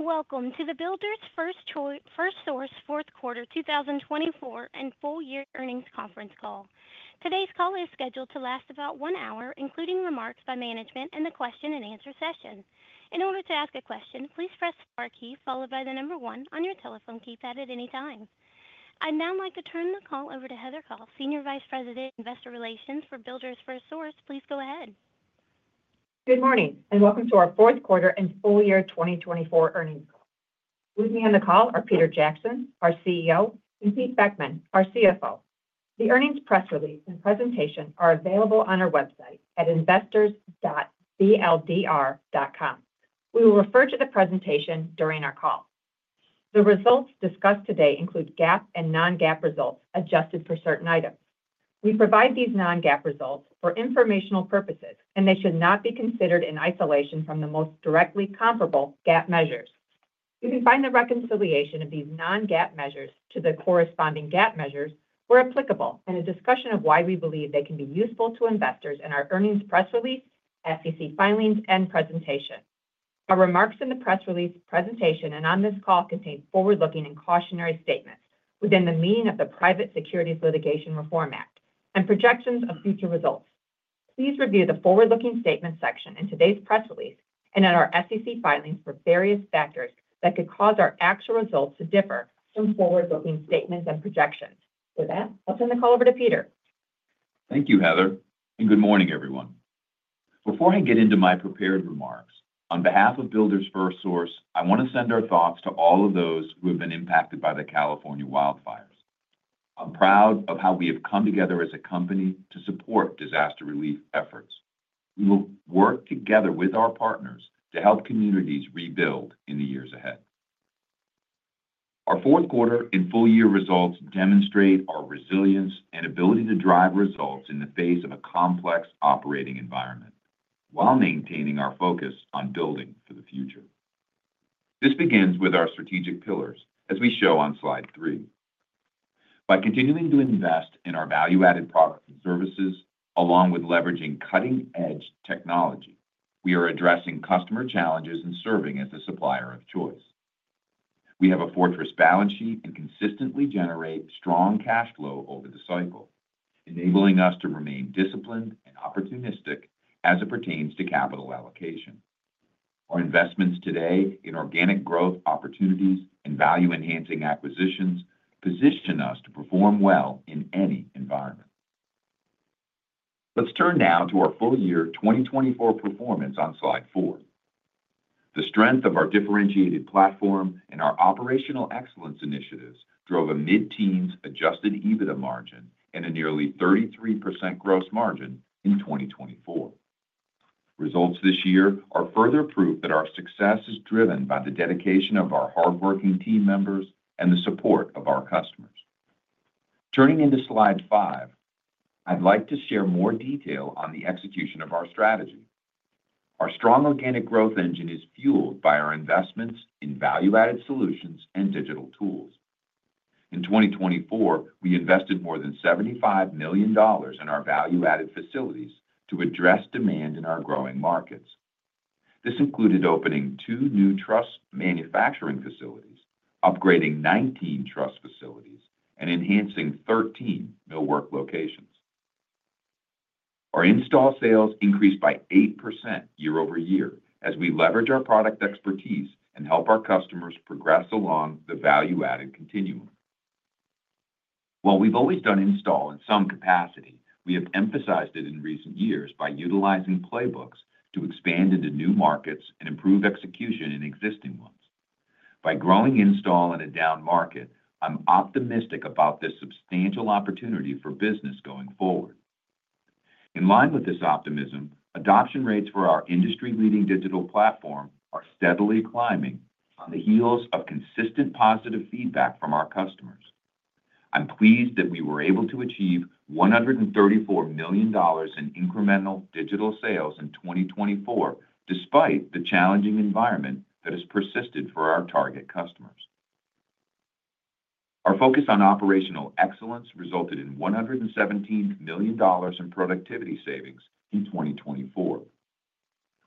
Welcome to the Builders FirstSource fourth quarter 2024 and full-year earnings conference call. Today's call is scheduled to last about one hour, including remarks by management and the question-and-answer session. In order to ask a question, please press the star key followed by the number one on your telephone keypad at any time. I'd now like to turn the call over to Heather Kos, Senior Vice President, Investor Relations for Builders FirstSource. Please go ahead. Good morning and welcome to our fourth quarter and full-year 2024 earnings call. With me on the call are Peter Jackson, our CEO, and Pete Beckmann, our CFO. The earnings press release and presentation are available on our website at investors.bldr.com. We will refer to the presentation during our call. The results discussed today include GAAP and non-GAAP results adjusted for certain items. We provide these non-GAAP results for informational purposes, and they should not be considered in isolation from the most directly comparable GAAP measures. You can find the reconciliation of these non-GAAP measures to the corresponding GAAP measures where applicable and a discussion of why we believe they can be useful to investors in our earnings press release, SEC filings, and presentation. Our remarks in the press release, presentation, and on this call contain forward-looking and cautionary statements within the meaning of the Private Securities Litigation Reform Act and projections of future results. Please review the forward-looking statements section in today's press release and in our SEC filings for various factors that could cause our actual results to differ from forward-looking statements and projections. With that, I'll turn the call over to Peter. Thank you, Heather, and good morning, everyone. Before I get into my prepared remarks, on behalf of Builders FirstSource, I want to send our thoughts to all of those who have been impacted by the California wildfires. I'm proud of how we have come together as a company to support disaster relief efforts. We will work together with our partners to help communities rebuild in the years ahead. Our fourth quarter and full-year results demonstrate our resilience and ability to drive results in the face of a complex operating environment while maintaining our focus on building for the future. This begins with our strategic pillars, as we show on slide three. By continuing to invest in our value-added products and services, along with leveraging cutting-edge technology, we are addressing customer challenges and serving as a supplier of choice. We have a fortress balance sheet and consistently generate strong cash flow over the cycle, enabling us to remain disciplined and opportunistic as it pertains to capital allocation. Our investments today in organic growth opportunities and value-enhancing acquisitions position us to perform well in any environment. Let's turn now to our full-year 2024 performance on slide four. The strength of our differentiated platform and our operational excellence initiatives drove a mid-teens Adjusted EBITDA margin and a nearly 33% gross margin in 2024. Results this year are further proof that our success is driven by the dedication of our hardworking team members and the support of our customers. Turning to slide five, I'd like to share more detail on the execution of our strategy. Our strong organic growth engine is fueled by our investments in value-added solutions and digital tools. In 2024, we invested more than $75 million in our value-added facilities to address demand in our growing markets. This included opening two new truss manufacturing facilities, upgrading 19 truss facilities, and enhancing 13 millwork locations. Our install sales increased by 8% year-over-year as we leverage our product expertise and help our customers progress along the value-added continuum. While we've always done install in some capacity, we have emphasized it in recent years by utilizing playbooks to expand into new markets and improve execution in existing ones. By growing install in a down market, I'm optimistic about this substantial opportunity for business going forward. In line with this optimism, adoption rates for our industry-leading digital platform are steadily climbing on the heels of consistent positive feedback from our customers. I'm pleased that we were able to achieve $134 million in incremental digital sales in 2024 despite the challenging environment that has persisted for our target customers. Our focus on operational excellence resulted in $117 million in productivity savings in 2024.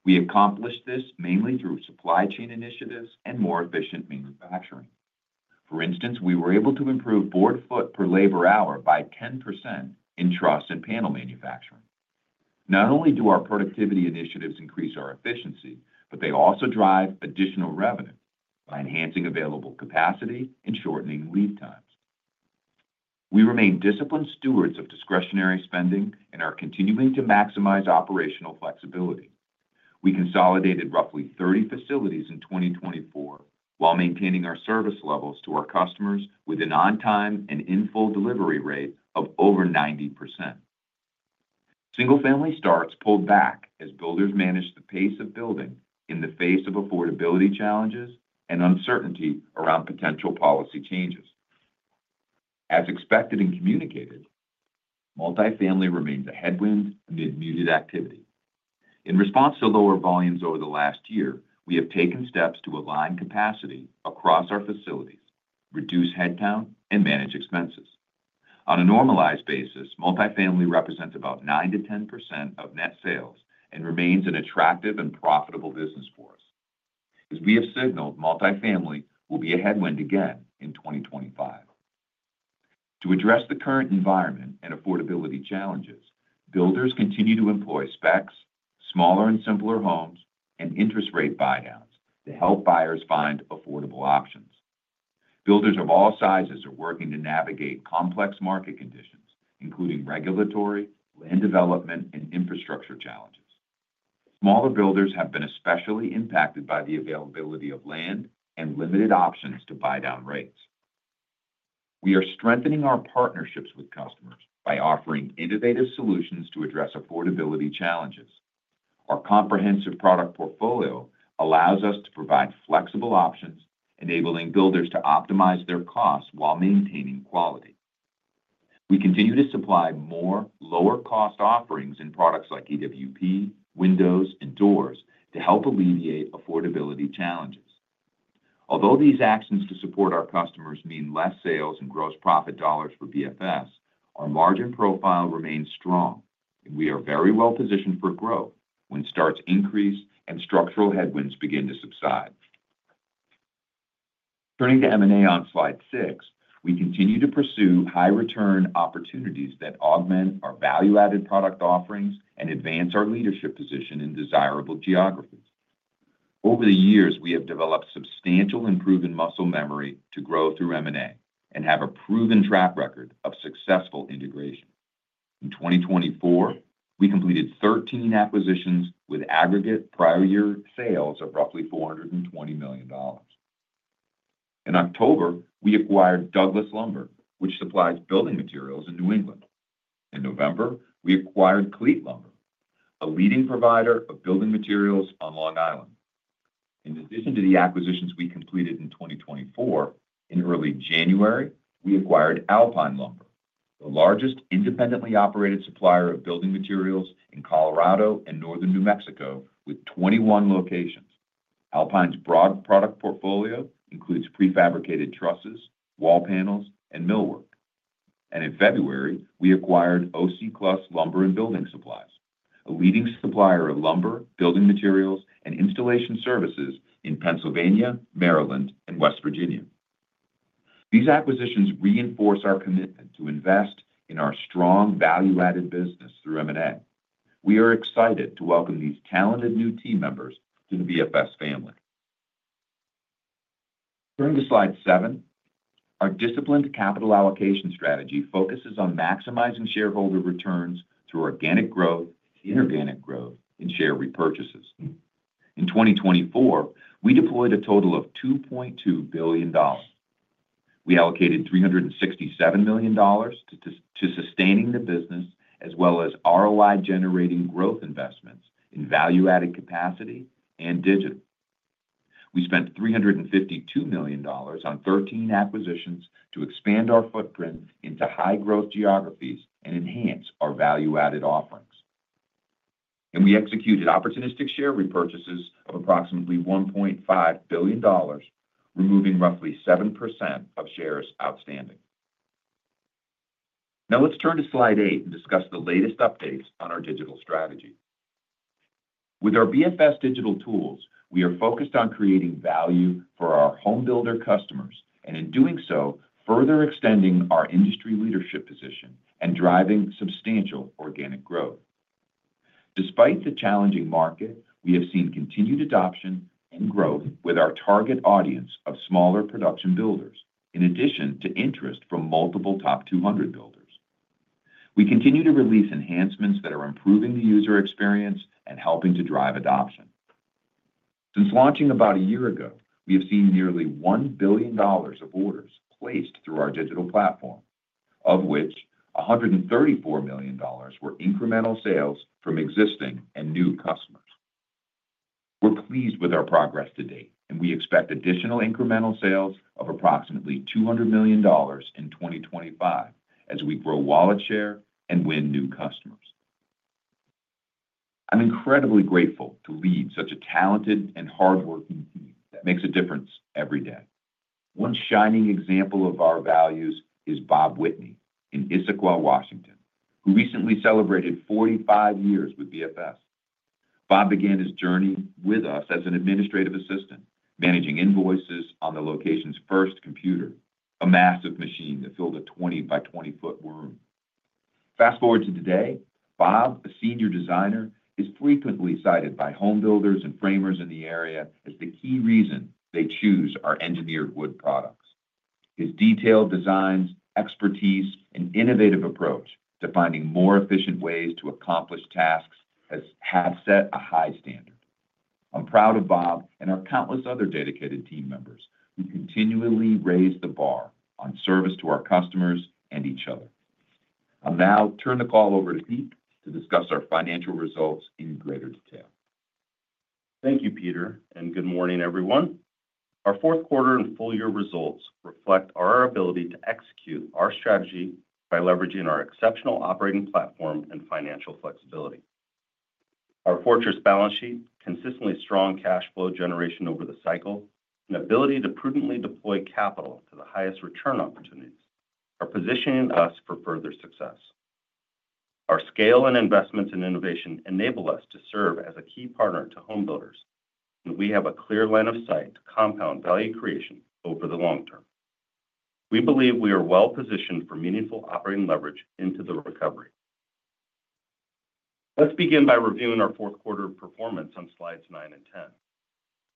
We accomplished this mainly through supply chain initiatives and more efficient manufacturing. For instance, we were able to improve board foot per labor hour by 10% in truss and panel manufacturing. Not only do our productivity initiatives increase our efficiency, but they also drive additional revenue by enhancing available capacity and shortening lead times. We remain disciplined stewards of discretionary spending and are continuing to maximize operational flexibility. We consolidated roughly 30 facilities in 2024 while maintaining our service levels to our customers with an on-time and in-full delivery rate of over 90%. Single-family starts pulled back as builders managed the pace of building in the face of affordability challenges and uncertainty around potential policy changes. As expected and communicated, multifamily remains a headwind amid muted activity. In response to lower volumes over the last year, we have taken steps to align capacity across our facilities, reduce headcount, and manage expenses. On a normalized basis, multifamily represents about 9%-10% of net sales and remains an attractive and profitable business for us. As we have signaled, multifamily will be a headwind again in 2025. To address the current environment and affordability challenges, builders continue to employ specs, smaller and simpler homes, and interest rate buy-downs to help buyers find affordable options. Builders of all sizes are working to navigate complex market conditions, including regulatory, land development, and infrastructure challenges. Smaller builders have been especially impacted by the availability of land and limited options to buy-down rates. We are strengthening our partnerships with customers by offering innovative solutions to address affordability challenges. Our comprehensive product portfolio allows us to provide flexible options, enabling builders to optimize their costs while maintaining quality. We continue to supply more lower-cost offerings in products like EWP, windows, and doors to help alleviate affordability challenges. Although these actions to support our customers mean less sales and gross profit dollars for BFS, our margin profile remains strong, and we are very well positioned for growth when starts increase and structural headwinds begin to subside. Turning to M&A on slide six, we continue to pursue high-return opportunities that augment our value-added product offerings and advance our leadership position in desirable geographies. Over the years, we have developed substantial improvement muscle memory to grow through M&A and have a proven track record of successful integration. In 2024, we completed 13 acquisitions with aggregate prior year sales of roughly $420 million. In October, we acquired Douglas Lumber, which supplies building materials in New England. In November, we acquired Kleet Lumber, a leading provider of building materials on Long Island. In addition to the acquisitions we completed in 2024, in early January, we acquired Alpine Lumber, the largest independently operated supplier of building materials in Colorado and northern New Mexico with 21 locations. Alpine's broad product portfolio includes prefabricated trusses, wall panels, and millwork. In February, we acquired O.C. Cluss Lumber & Building Supplies, a leading supplier of lumber, building materials, and installation services in Pennsylvania, Maryland, and West Virginia. These acquisitions reinforce our commitment to invest in our strong value-added business through M&A. We are excited to welcome these talented new team members to the BFS family. Turning to slide seven, our disciplined capital allocation strategy focuses on maximizing shareholder returns through organic growth, inorganic growth, and share repurchases. In 2024, we deployed a total of $2.2 billion. We allocated $367 million to sustaining the business as well as ROI-generating growth investments in value-added capacity and digital. We spent $352 million on 13 acquisitions to expand our footprint into high-growth geographies and enhance our value-added offerings. And we executed opportunistic share repurchases of approximately $1.5 billion, removing roughly 7% of shares outstanding. Now let's turn to slide eight and discuss the latest updates on our digital strategy. With our BFS Digital Tools, we are focused on creating value for our homebuilder customers and, in doing so, further extending our industry leadership position and driving substantial organic growth. Despite the challenging market, we have seen continued adoption and growth with our target audience of smaller production builders, in addition to interest from multiple top 200 builders. We continue to release enhancements that are improving the user experience and helping to drive adoption. Since launching about a year ago, we have seen nearly $1 billion of orders placed through our digital platform, of which $134 million were incremental sales from existing and new customers. We're pleased with our progress to date, and we expect additional incremental sales of approximately $200 million in 2025 as we grow wallet share and win new customers. I'm incredibly grateful to lead such a talented and hardworking team that makes a difference every day. One shining example of our values is Bob Whitney in Issaquah, Washington, who recently celebrated 45 years with BFS. Bob began his journey with us as an administrative assistant, managing invoices on the location's first computer, a massive machine that filled a 20-by-20-foot room. Fast forward to today, Bob, a senior designer, is frequently cited by homebuilders and framers in the area as the key reason they choose our engineered wood products. His detailed designs, expertise, and innovative approach to finding more efficient ways to accomplish tasks has set a high standard. I'm proud of Bob and our countless other dedicated team members who continually raise the bar on service to our customers and each other. I'll now turn the call over to Pete to discuss our financial results in greater detail. Thank you, Peter, and good morning, everyone. Our fourth quarter and full-year results reflect our ability to execute our strategy by leveraging our exceptional operating platform and financial flexibility. Our fortress balance sheet, consistently strong cash flow generation over the cycle, and ability to prudently deploy capital to the highest return opportunities are positioning us for further success. Our scale and investments in innovation enable us to serve as a key partner to homebuilders, and we have a clear line of sight to compound value creation over the long term. We believe we are well positioned for meaningful operating leverage into the recovery. Let's begin by reviewing our fourth quarter performance on slides nine and 10.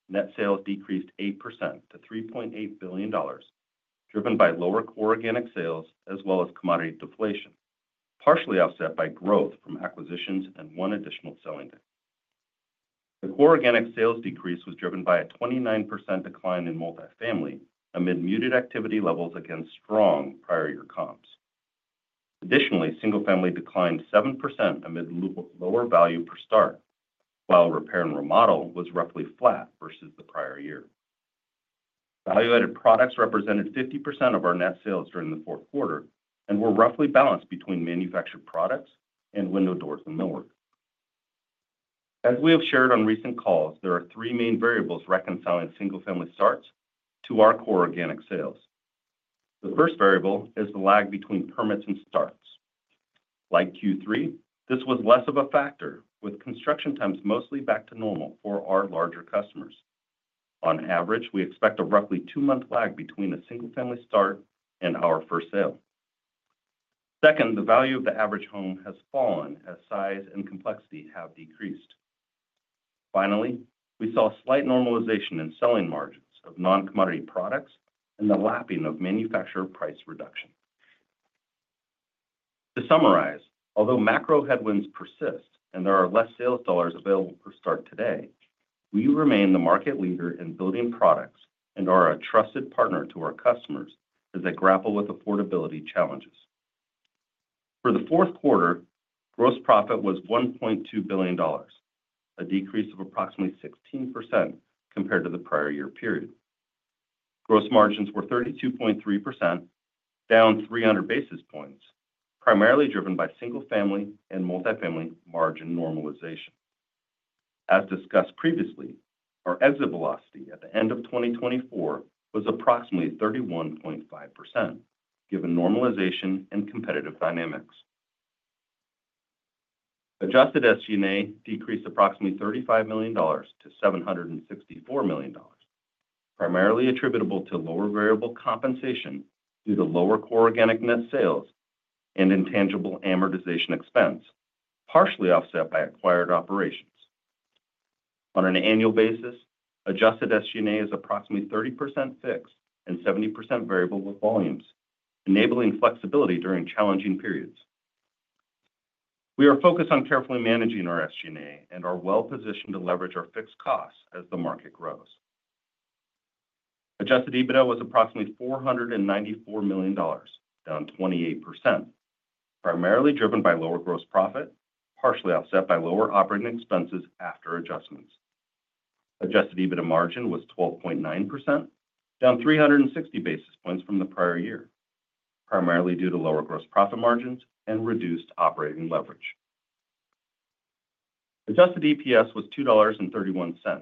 Net sales decreased 8% to $3.8 billion, driven by lower core organic sales as well as commodity deflation, partially offset by growth from acquisitions and one additional selling date. The core organic sales decrease was driven by a 29% decline in multifamily amid muted activity levels against strong prior year comps. Additionally, single-family declined 7% amid lower value per start, while repair and remodel was roughly flat versus the prior year. Value-added products represented 50% of our net sales during the fourth quarter and were roughly balanced between manufactured products and windows, doors, and millwork. As we have shared on recent calls, there are three main variables reconciling single-family starts to our core organic sales. The first variable is the lag between permits and starts. Like Q3, this was less of a factor, with construction times mostly back to normal for our larger customers. On average, we expect a roughly two-month lag between a single-family start and our first sale. Second, the value of the average home has fallen as size and complexity have decreased. Finally, we saw slight normalization in selling margins of non-commodity products and the lapping of manufacturer price reduction. To summarize, although macro headwinds persist and there are less sales dollars available per start today, we remain the market leader in building products and are a trusted partner to our customers as they grapple with affordability challenges. For the fourth quarter, gross profit was $1.2 billion, a decrease of approximately 16% compared to the prior year period. Gross margins were 32.3%, down 300 basis points, primarily driven by single-family and multifamily margin normalization. As discussed previously, our exit velocity at the end of 2024 was approximately 31.5%, given normalization and competitive dynamics. Adjusted SG&A decreased approximately $35 million to $764 million, primarily attributable to lower variable compensation due to lower core organic net sales and intangible amortization expense, partially offset by acquired operations. On an annual basis, Adjusted SG&A is approximately 30% fixed and 70% variable with volumes, enabling flexibility during challenging periods. We are focused on carefully managing our SG&A and are well positioned to leverage our fixed costs as the market grows. Adjusted EBITDA was approximately $494 million, down 28%, primarily driven by lower gross profit, partially offset by lower operating expenses after adjustments. Adjusted EBITDA margin was 12.9%, down 360 basis points from the prior year, primarily due to lower gross profit margins and reduced operating leverage. Adjusted EPS was $2.31, a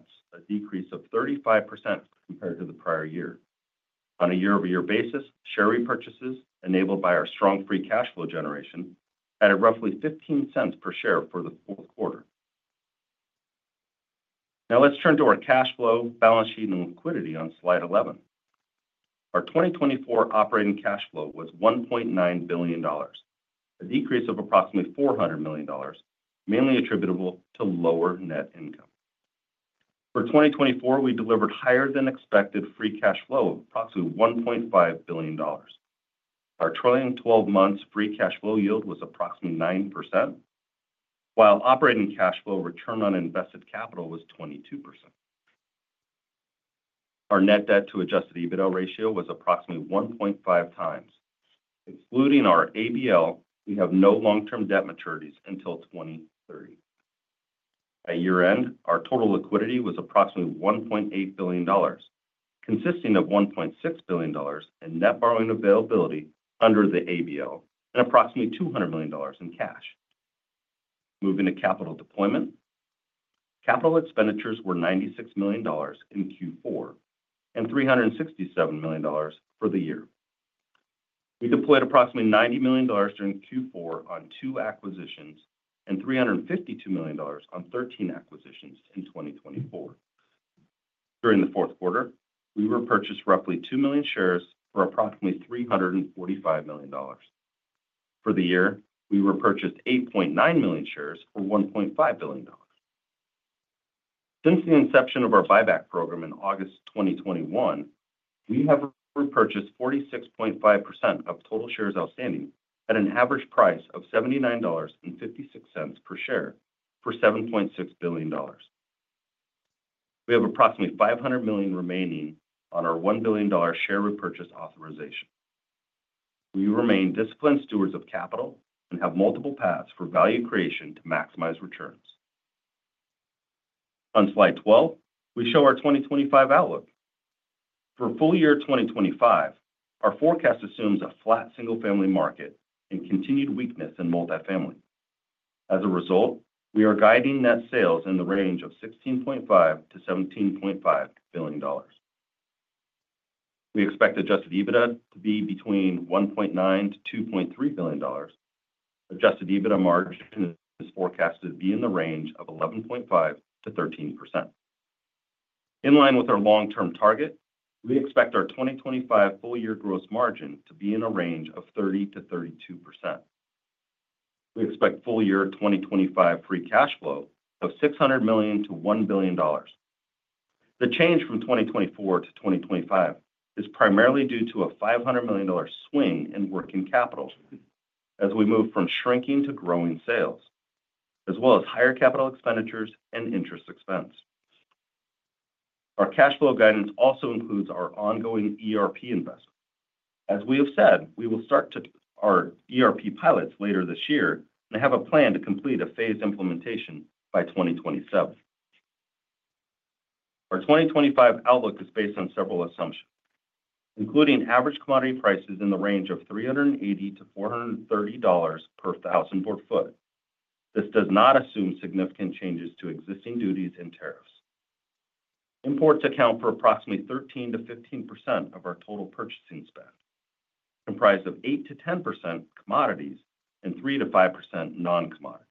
decrease of 35% compared to the prior year. On a year-over-year basis, share repurchases enabled by our strong free cash flow generation added roughly $0.15 per share for the fourth quarter. Now let's turn to our cash flow, balance sheet, and liquidity on slide 11. Our 2024 operating cash flow was $1.9 billion, a decrease of approximately $400 million, mainly attributable to lower net income. For 2024, we delivered higher-than-expected free cash flow of approximately $1.5 billion. Our trailing twelve months free cash flow yield was approximately 9%, while operating cash flow return on invested capital was 22%. Our net debt to Adjusted EBITDA ratio was approximately 1.5 times. Excluding our ABL, we have no long-term debt maturities until 2030. At year-end, our total liquidity was approximately $1.8 billion, consisting of $1.6 billion in net borrowing availability under the ABL and approximately $200 million in cash. Moving to capital deployment, capital expenditures were $96 million in Q4 and $367 million for the year. We deployed approximately $90 million during Q4 on two acquisitions and $352 million on 13 acquisitions in 2024. During the fourth quarter, we repurchased roughly 2 million shares for approximately $345 million. For the year, we repurchased 8.9 million shares for $1.5 billion. Since the inception of our buyback program in August 2021, we have repurchased 46.5% of total shares outstanding at an average price of $79.56 per share for $7.6 billion. We have approximately $500 million remaining on our $1 billion share repurchase authorization. We remain disciplined stewards of capital and have multiple paths for value creation to maximize returns. On slide 12, we show our 2025 outlook. For full year 2025, our forecast assumes a flat single-family market and continued weakness in multifamily. As a result, we are guiding net sales in the range of $16.5 to $17.5 billion. We expect Adjusted EBITDA to be between $1.9 to $2.3 billion. Adjusted EBITDA margin is forecast to be in the range of 11.5% to 13%. In line with our long-term target, we expect our 2025 full year gross margin to be in a range of 30%-32%. We expect full year 2025 free cash flow of $600 million-$1 billion. The change from 2024 to 2025 is primarily due to a $500 million swing in working capital as we move from shrinking to growing sales, as well as higher capital expenditures and interest expense. Our cash flow guidance also includes our ongoing ERP investment. As we have said, we will start our ERP pilots later this year and have a plan to complete a phased implementation by 2027. Our 2025 outlook is based on several assumptions, including average commodity prices in the range of $380-$430 per thousand board feet. This does not assume significant changes to existing duties and tariffs. Imports account for approximately 13%-15% of our total purchasing spend, comprised of 8%-10% commodities and 3%-5% non-commodities.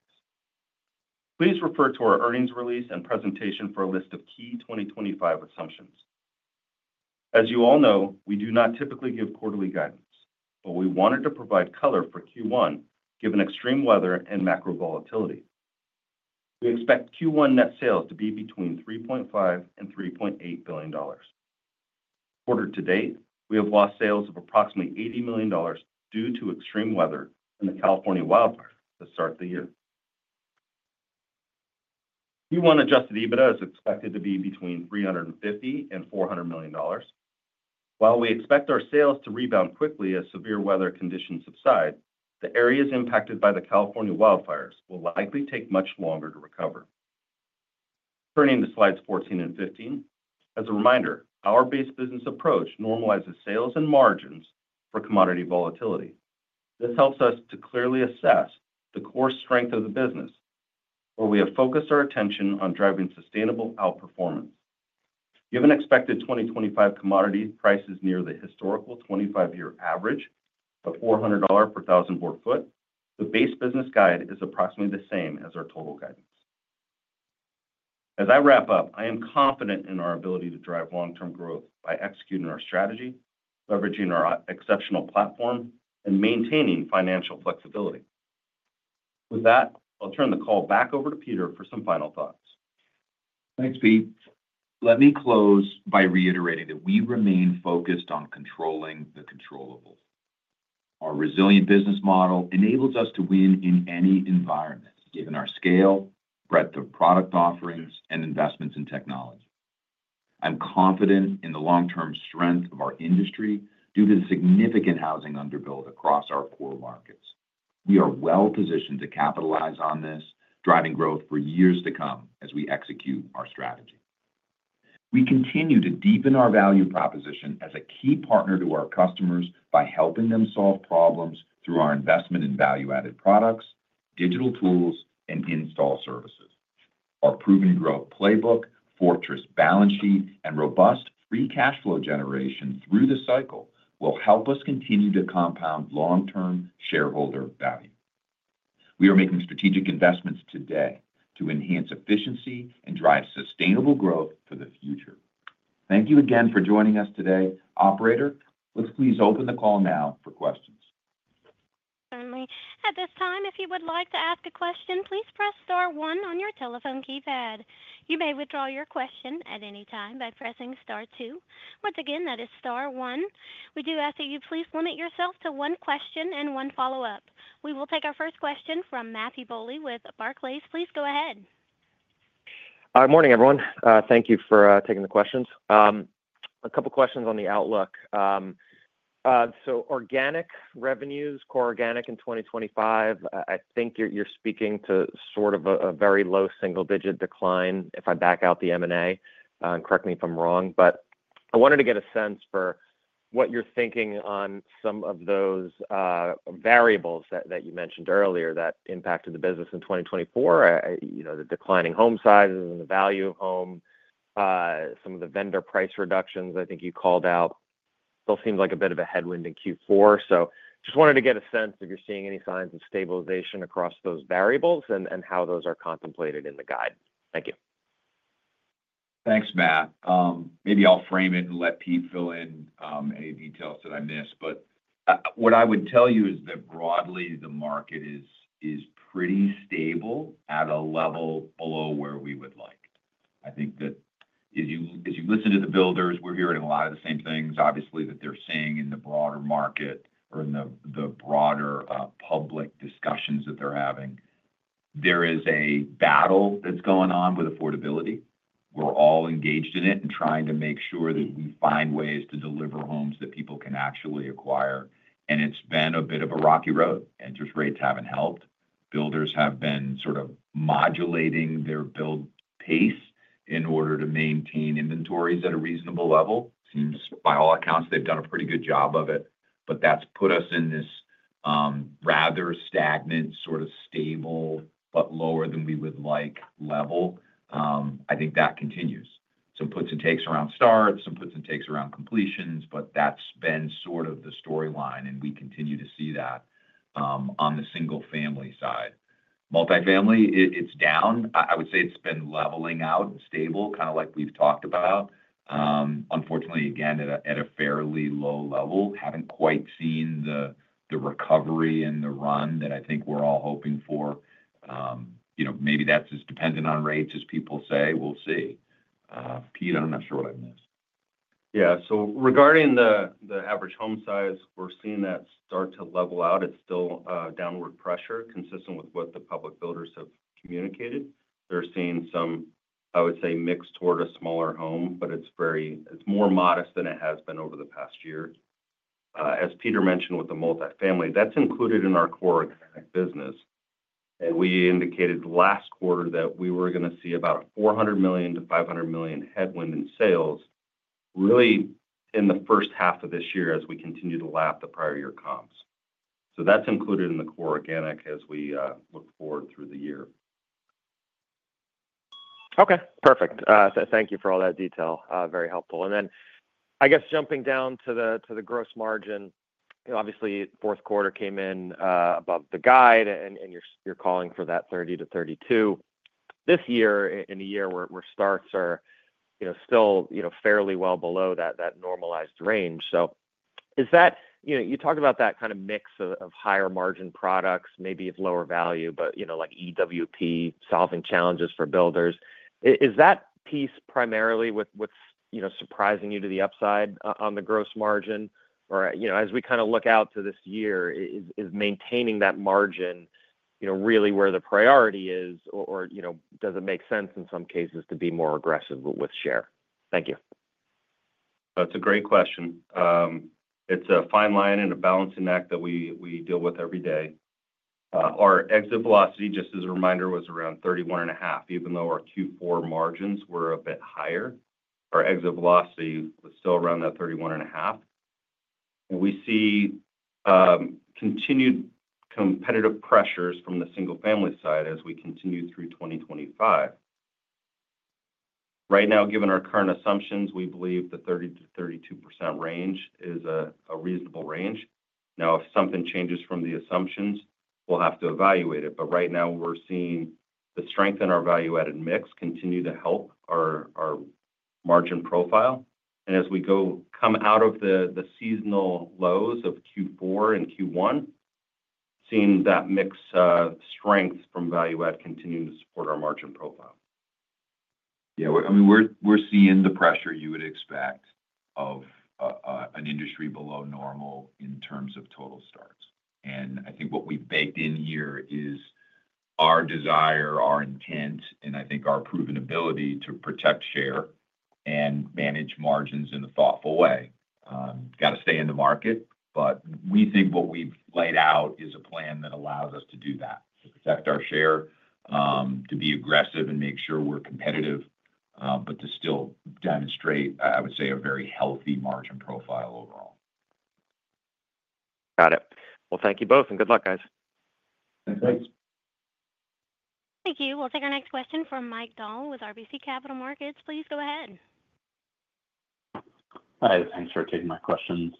Please refer to our earnings release and presentation for a list of key 2025 assumptions. As you all know, we do not typically give quarterly guidance, but we wanted to provide color for Q1 given extreme weather and macro volatility. We expect Q1 net sales to be between $3.5 and $3.8 billion. Ordered to date, we have lost sales of approximately $80 million due to extreme weather in the California wildfires to start the year. Q1 Adjusted EBITDA is expected to be between $350 and $400 million. While we expect our sales to rebound quickly as severe weather conditions subside, the areas impacted by the California wildfires will likely take much longer to recover. Turning to slides 14 and 15, as a reminder, our base business approach normalizes sales and margins for commodity volatility. This helps us to clearly assess the core strength of the business, where we have focused our attention on driving sustainable outperformance. Given expected 2025 commodity prices near the historical 25-year average of $400 per thousand board foot, the base business guide is approximately the same as our total guidance. As I wrap up, I am confident in our ability to drive long-term growth by executing our strategy, leveraging our exceptional platform, and maintaining financial flexibility. With that, I'll turn the call back over to Peter for some final thoughts. Thanks, Pete. Let me close by reiterating that we remain focused on controlling the controllable. Our resilient business model enables us to win in any environment, given our scale, breadth of product offerings, and investments in technology. I'm confident in the long-term strength of our industry due to the significant housing underbuilt across our core markets. We are well positioned to capitalize on this, driving growth for years to come as we execute our strategy. We continue to deepen our value proposition as a key partner to our customers by helping them solve problems through our investment in value-added products, digital tools, and install services. Our proven growth playbook, fortress balance sheet, and robust free cash flow generation through the cycle will help us continue to compound long-term shareholder value. We are making strategic investments today to enhance efficiency and drive sustainable growth for the future. Thank you again for joining us today. Operator, let's please open the call now for questions. Certainly. At this time, if you would like to ask a question, please press star one on your telephone keypad. You may withdraw your question at any time by pressing star two. Once again, that is star one. We do ask that you please limit yourself to one question and one follow-up. We will take our first question from Matthew Bouley with Barclays. Please go ahead. Good morning, everyone. Thank you for taking the questions. A couple of questions on the outlook. So organic revenues, core organic in 2025, I think you're speaking to sort of a very low single-digit decline if I back out the M&A. Correct me if I'm wrong, but I wanted to get a sense for what you're thinking on some of those variables that you mentioned earlier that impacted the business in 2024, the declining home sizes and the value of home, some of the vendor price reductions I think you called out. Still seems like a bit of a headwind in Q4. So just wanted to get a sense if you're seeing any signs of stabilization across those variables and how those are contemplated in the guide. Thank you. Thanks, Matt. Maybe I'll frame it and let Pete fill in any details that I missed. But what I would tell you is that broadly, the market is pretty stable at a level below where we would like. I think that as you listen to the builders, we're hearing a lot of the same things, obviously, that they're seeing in the broader market or in the broader public discussions that they're having. There is a battle that's going on with affordability. We're all engaged in it and trying to make sure that we find ways to deliver homes that people can actually acquire. And it's been a bit of a rocky road. Interest rates haven't helped. Builders have been sort of modulating their build pace in order to maintain inventories at a reasonable level. Seems by all accounts they've done a pretty good job of it, but that's put us in this rather stagnant, sort of stable, but lower than we would like level. I think that continues. Some puts and takes around starts, some puts and takes around completions, but that's been sort of the storyline, and we continue to see that on the single-family side. Multifamily, it's down. I would say it's been leveling out and stable, kind of like we've talked about. Unfortunately, again, at a fairly low level, haven't quite seen the recovery and the run that I think we're all hoping for. Maybe that's as dependent on rates as people say. We'll see. Pete, I'm not sure what I missed. Yeah. So regarding the average home size, we're seeing that start to level out. It's still downward pressure, consistent with what the public builders have communicated. They're seeing some, I would say, mix toward a smaller home, but it's more modest than it has been over the past year. As Peter mentioned with the multifamily, that's included in our core organic business. And we indicated last quarter that we were going to see about a $400 million-$500 million headwind in sales, really in the first half of this year as we continue to lap the prior year comps. So that's included in the core organic as we look forward through the year. Okay. Perfect. Thank you for all that detail. Very helpful. I guess, jumping down to the gross margin, obviously, fourth quarter came in above the guide, and you're calling for that 30%-32% this year in a year where starts are still fairly well below that normalized range. So you talked about that kind of mix of higher margin products, maybe of lower value, but like EWP, solving challenges for builders. Is that piece primarily what's surprising you to the upside on the gross margin? Or as we kind of look out to this year, is maintaining that margin really where the priority is, or does it make sense in some cases to be more aggressive with share? Thank you. That's a great question. It's a fine line and a balancing act that we deal with every day. Our exit velocity, just as a reminder, was around 31.5%, even though our Q4 margins were a bit higher. Our exit velocity was still around that 31.5%, and we see continued competitive pressures from the single-family side as we continue through 2025. Right now, given our current assumptions, we believe the 30%-32% range is a reasonable range. Now, if something changes from the assumptions, we'll have to evaluate it, but right now, we're seeing the strength in our value-added mix continue to help our margin profile, and as we come out of the seasonal lows of Q4 and Q1, seeing that mix strength from value-add continuing to support our margin profile. Yeah. I mean, we're seeing the pressure you would expect of an industry below normal in terms of total starts, and I think what we've baked in here is our desire, our intent, and I think our proven ability to protect share and manage margins in a thoughtful way. Got to stay in the market, but we think what we've laid out is a plan that allows us to do that, to protect our share, to be aggressive and make sure we're competitive, but to still demonstrate, I would say, a very healthy margin profile overall. Got it. Well, thank you both, and good luck, guys. Thanks. Thank you. We'll take our next question from Mike Dahl with RBC Capital Markets. Please go ahead. Hi. Thanks for taking my questions.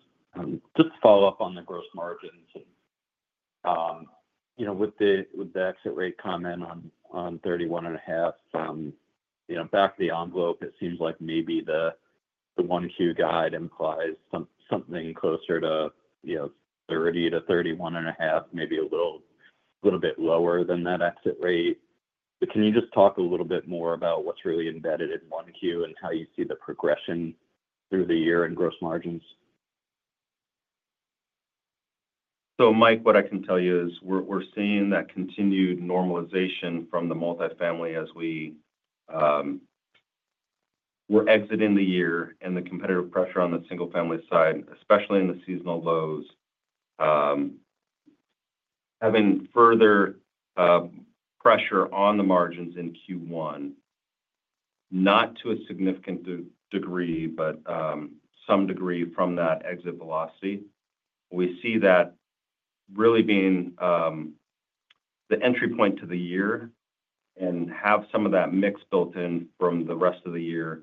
Just to follow up on the gross margins and with the exit rate comment on 31.5%, back of the envelope, it seems like maybe the 1Q guide implies something closer to 30%-31.5%, maybe a little bit lower than that exit rate. But can you just talk a little bit more about what's really embedded in 1Q and how you see the progression through the year in gross margins? So, Mike, what I can tell you is we're seeing that continued normalization from the multifamily as we're exiting the year and the competitive pressure on the single-family side, especially in the seasonal lows, having further pressure on the margins in Q1, not to a significant degree, but some degree from that exit velocity. We see that really being the entry point to the year and have some of that mix built in from the rest of the year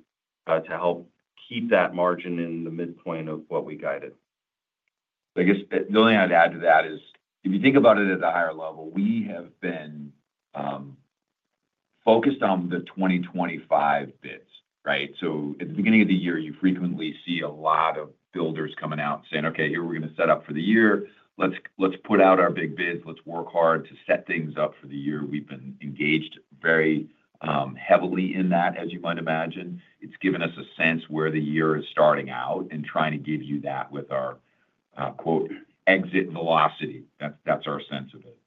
to help keep that margin in the midpoint of what we guided. I guess the only thing I'd add to that is if you think about it at a higher level, we have been focused on the 2025 bids, right? At the beginning of the year, you frequently see a lot of builders coming out saying, "Okay, here we're going to set up for the year. Let's put out our big bids. Let's work hard to set things up for the year." We've been engaged very heavily in that, as you might imagine. It's given us a sense where the year is starting out and trying to give you that with our quote, "exit velocity." That's our sense of it.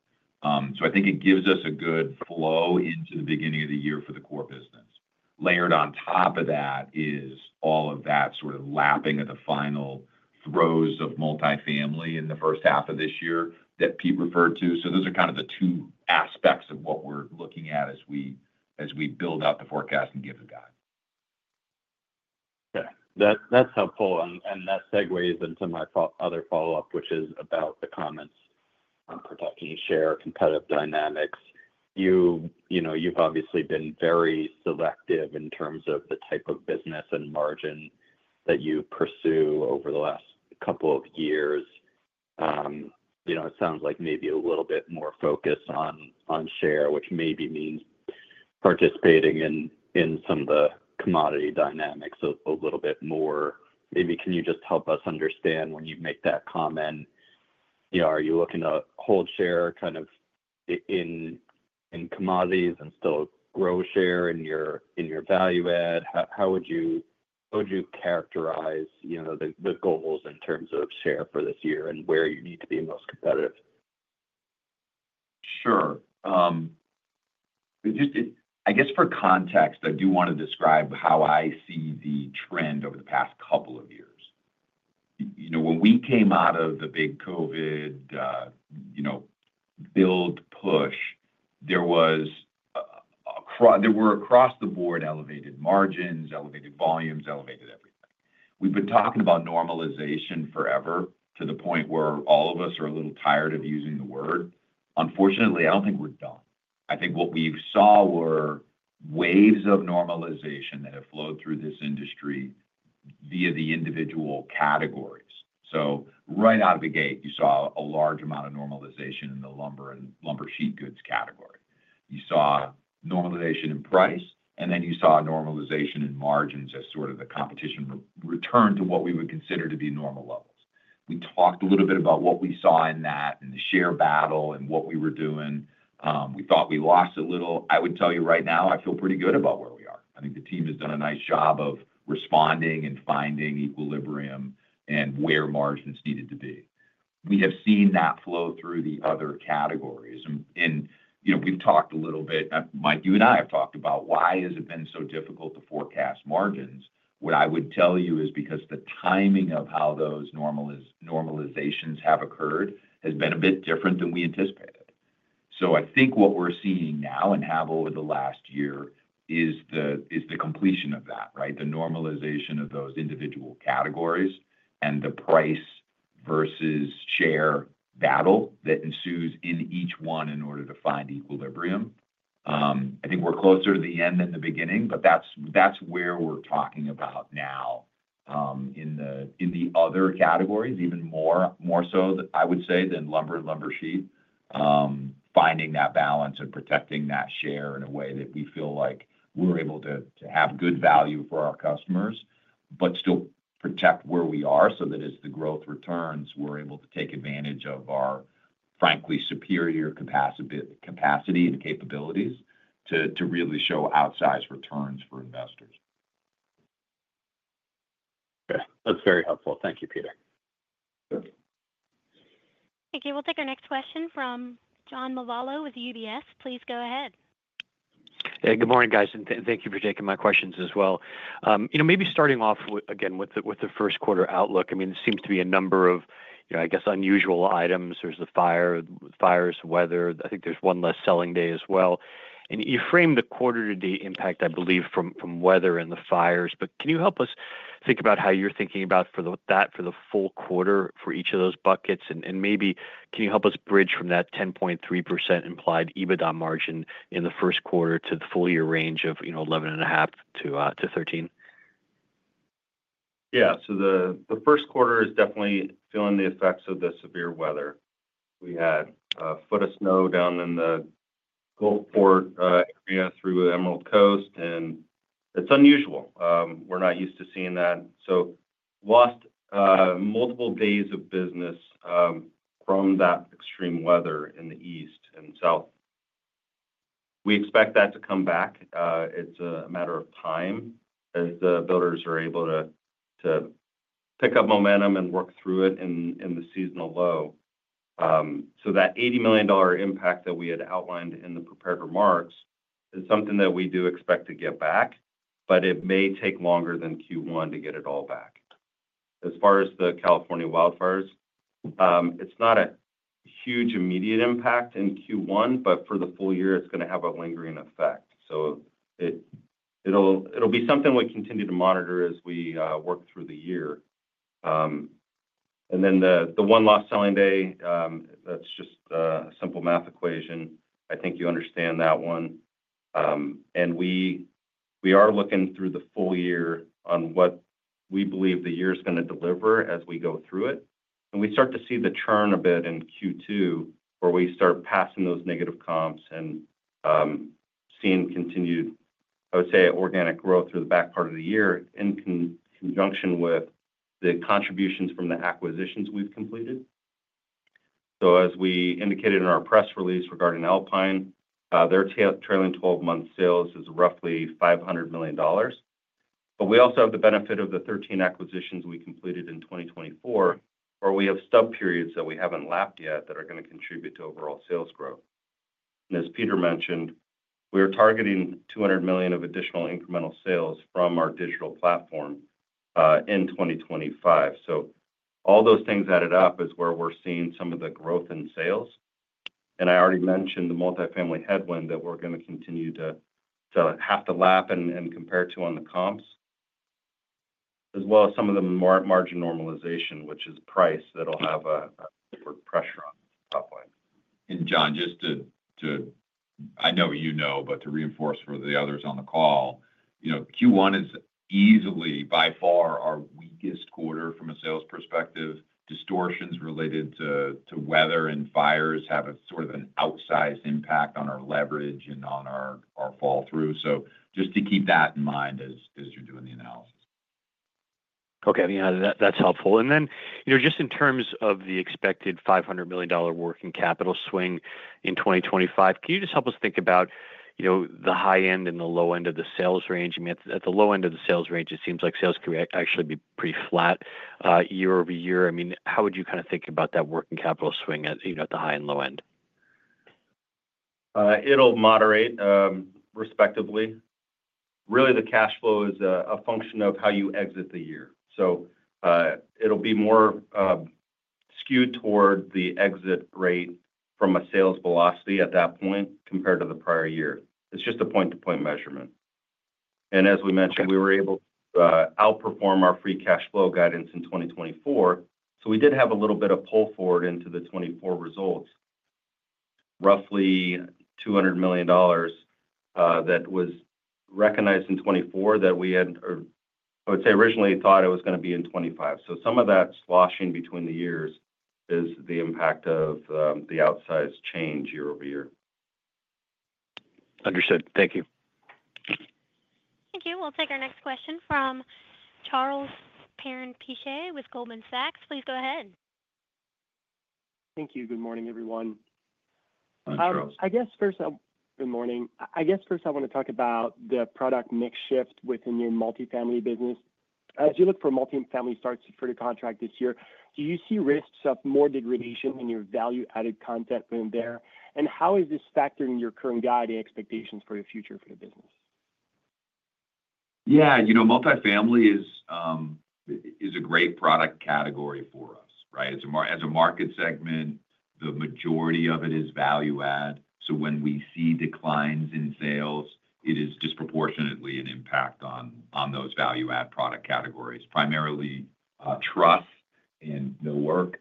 I think it gives us a good flow into the beginning of the year for the core business. Layered on top of that is all of that sort of lapping of the final throws of multifamily in the first half of this year that Pete referred to. So those are kind of the two aspects of what we're looking at as we build out the forecast and give the guide. Okay. That's helpful. And that segues into my other follow-up, which is about the comments on protecting share competitive dynamics. You've obviously been very selective in terms of the type of business and margin that you pursue over the last couple of years. It sounds like maybe a little bit more focus on share, which maybe means participating in some of the commodity dynamics a little bit more. Maybe can you just help us understand when you make that comment, are you looking to hold share kind of in commodities and still grow share in your value-add? How would you characterize the goals in terms of share for this year and where you need to be most competitive? Sure. I guess for context, I do want to describe how I see the trend over the past couple of years. When we came out of the big COVID build push, there were across the board elevated margins, elevated volumes, elevated everything. We've been talking about normalization forever to the point where all of us are a little tired of using the word. Unfortunately, I don't think we're done. I think what we saw were waves of normalization that have flowed through this industry via the individual categories. So right out of the gate, you saw a large amount of normalization in the lumber and lumber sheet goods category. You saw normalization in price, and then you saw normalization in margins as sort of the competition returned to what we would consider to be normal levels. We talked a little bit about what we saw in that and the share battle and what we were doing. We thought we lost a little. I would tell you right now, I feel pretty good about where we are. I think the team has done a nice job of responding and finding equilibrium and where margins needed to be. We have seen that flow through the other categories, and we've talked a little bit, Mike. You and I have talked about why has it been so difficult to forecast margins. What I would tell you is because the timing of how those normalizations have occurred has been a bit different than we anticipated, so I think what we're seeing now and have over the last year is the completion of that, right? The normalization of those individual categories and the price versus share battle that ensues in each one in order to find equilibrium. I think we're closer to the end than the beginning, but that's where we're talking about now in the other categories, even more so I would say than lumber and lumber sheet, finding that balance and protecting that share in a way that we feel like we're able to have good value for our customers, but still protect where we are so that as the growth returns, we're able to take advantage of our frankly superior capacity and capabilities to really show outsized returns for investors. Okay. That's very helpful. Thank you, Peter. Thank you. We'll take our next question from John Lovallo with UBS. Please go ahead. Hey, good morning, guys. And thank you for taking my questions as well. Maybe starting off again with the first quarter outlook. I mean, it seems to be a number of, I guess, unusual items. There's the fires, weather. I think there's one less selling day as well. And you framed the quarter-to-date impact, I believe, from weather and the fires. But can you help us think about how you're thinking about that for the full quarter for each of those buckets? And maybe can you help us bridge from that 10.3% implied EBITDA margin in the first quarter to the full-year range of 11.5%-13%? Yeah. So the first quarter is definitely feeling the effects of the severe weather. We had a foot of snow down in the Gulfport area through Emerald Coast, and it's unusual. We're not used to seeing that. So lost multiple days of business from that extreme weather in the east and south. We expect that to come back. It's a matter of time as the builders are able to pick up momentum and work through it in the seasonal low, so that $80 million impact that we had outlined in the prepared remarks is something that we do expect to get back, but it may take longer than Q1 to get it all back. As far as the California wildfires, it's not a huge immediate impact in Q1, but for the full-year, it's going to have a lingering effect, so it'll be something we continue to monitor as we work through the year, and then the one lost selling day, that's just a simple math equation. I think you understand that one and we are looking through the full year on what we believe the year is going to deliver as we go through it. We start to see the churn a bit in Q2, where we start passing those negative comps and seeing continued, I would say, organic growth through the back part of the year in conjunction with the contributions from the acquisitions we've completed. So as we indicated in our press release regarding Alpine, their trailing 12-month sales is roughly $500 million. But we also have the benefit of the 13 acquisitions we completed in 2024, where we have sub-periods that we haven't lapped yet that are going to contribute to overall sales growth. And as Peter mentioned, we are targeting $200 million of additional incremental sales from our digital platform in 2025. So all those things added up is where we're seeing some of the growth in sales. I already mentioned the multifamily headwind that we're going to continue to have to lap and compare to on the comps, as well as some of the margin normalization, which is price that'll have a pressure on top line. John, just to, I know you know, but to reinforce for the others on the call, Q1 is easily, by far, our weakest quarter from a sales perspective. Distortions related to weather and fires have sort of an outsized impact on our leverage and on our fall-through. So just to keep that in mind as you're doing the analysis. Okay. That's helpful. Then just in terms of the expected $500 million working capital swing in 2025, can you just help us think about the high end and the low end of the sales range? I mean, at the low end of the sales range, it seems like sales could actually be pretty flat year-over-year. I mean, how would you kind of think about that working capital swing at the high and low end? It'll moderate respectively. Really, the cash flow is a function of how you exit the year. So it'll be more skewed toward the exit rate from a sales velocity at that point compared to the prior year. It's just a point-to-point measurement. And as we mentioned, we were able to outperform our free cash flow guidance in 2024. So we did have a little bit of pull forward into the 2024 results, roughly $200 million that was recognized in 2024 that we had, I would say, originally thought it was going to be in 2025. Some of that sloshing between the years is the impact of the outsized change year-over-year. Understood. Thank you. Thank you. We'll take our next question from Charles Perron-Piché with Goldman Sachs. Please go ahead. Thank you. Good morning, everyone. I guess first, good morning. I guess first I want to talk about the product mix shift within your multifamily business. As you look for multifamily starts for the quarter this year, do you see risks of more degradation in your value-added content within there? And how is this factored in your current guiding expectations for the future for the business? Yeah. Multifamily is a great product category for us, right? As a market segment, the majority of it is value-add. So when we see declines in sales, it is disproportionately an impact on those value-add product categories, primarily trusses and millwork.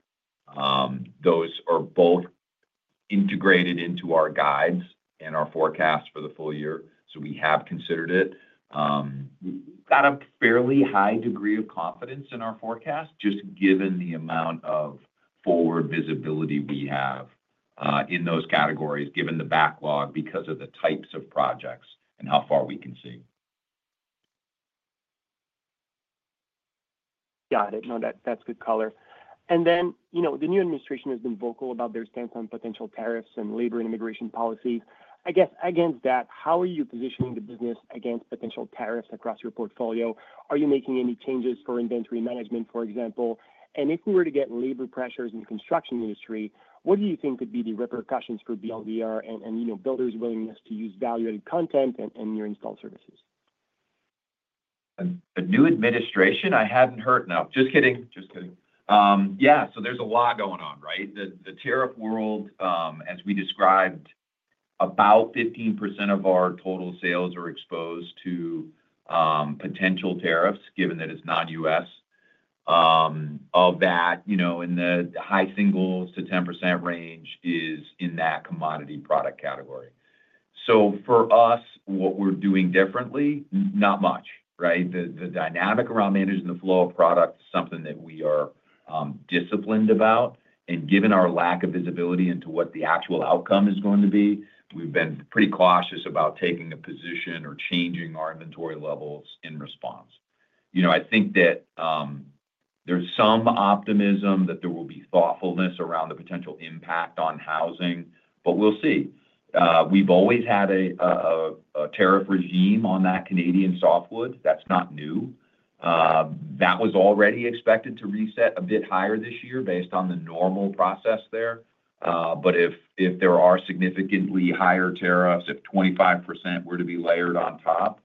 Those are both integrated into our guides and our forecast for the full year. So we have considered it. We've got a fairly high degree of confidence in our forecast, just given the amount of forward visibility we have in those categories, given the backlog because of the types of projects and how far we can see. Got it. No, that's good color. And then the new administration has been vocal about their stance on potential tariffs and labor and immigration policies. I guess against that, how are you positioning the business against potential tariffs across your portfolio? Are you making any changes for inventory management, for example? And if we were to get labor pressures in the construction industry, what do you think would be the repercussions for BLDR and builders' willingness to use value-added content and your installed services? The new administration, I hadn't heard now. Just kidding. Just kidding. Yeah. So there's a lot going on, right? The tariff world, as we described, about 15% of our total sales are exposed to potential tariffs, given that it's non-U.S. of that, in the high singles to 10% range is in that commodity product category. So for us, what we're doing differently, not much, right? The dynamic around managing the flow of product is something that we are disciplined about. And given our lack of visibility into what the actual outcome is going to be, we've been pretty cautious about taking a position or changing our inventory levels in response. I think that there's some optimism that there will be thoughtfulness around the potential impact on housing, but we'll see. We've always had a tariff regime on that Canadian softwood. That's not new. That was already expected to reset a bit higher this year based on the normal process there. But if there are significantly higher tariffs, if 25% were to be layered on top,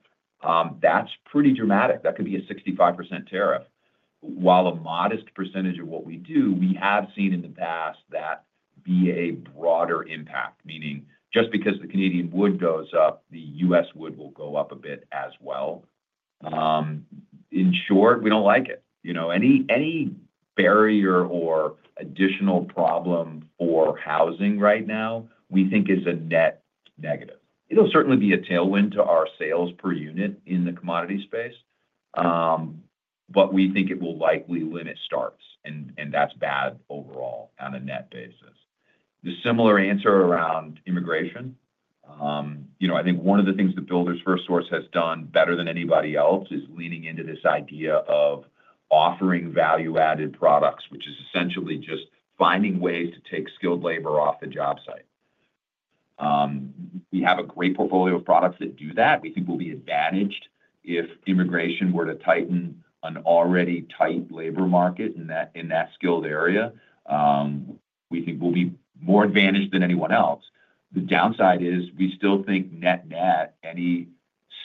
that's pretty dramatic. That could be a 65% tariff. While a modest percentage of what we do, we have seen in the past that be a broader impact. Meaning, just because the Canadian wood goes up, the U.S. wood will go up a bit as well. In short, we don't like it. Any barrier or additional problem for housing right now, we think is a net negative. It'll certainly be a tailwind to our sales per unit in the commodity space, but we think it will likely limit starts, and that's bad overall on a net basis. The similar answer around immigration. I think one of the things that Builders FirstSource has done better than anybody else is leaning into this idea of offering value-added products, which is essentially just finding ways to take skilled labor off the job site. We have a great portfolio of products that do that. We think we'll be advantaged if immigration were to tighten an already tight labor market in that skilled area. We think we'll be more advantaged than anyone else. The downside is we still think net-net, any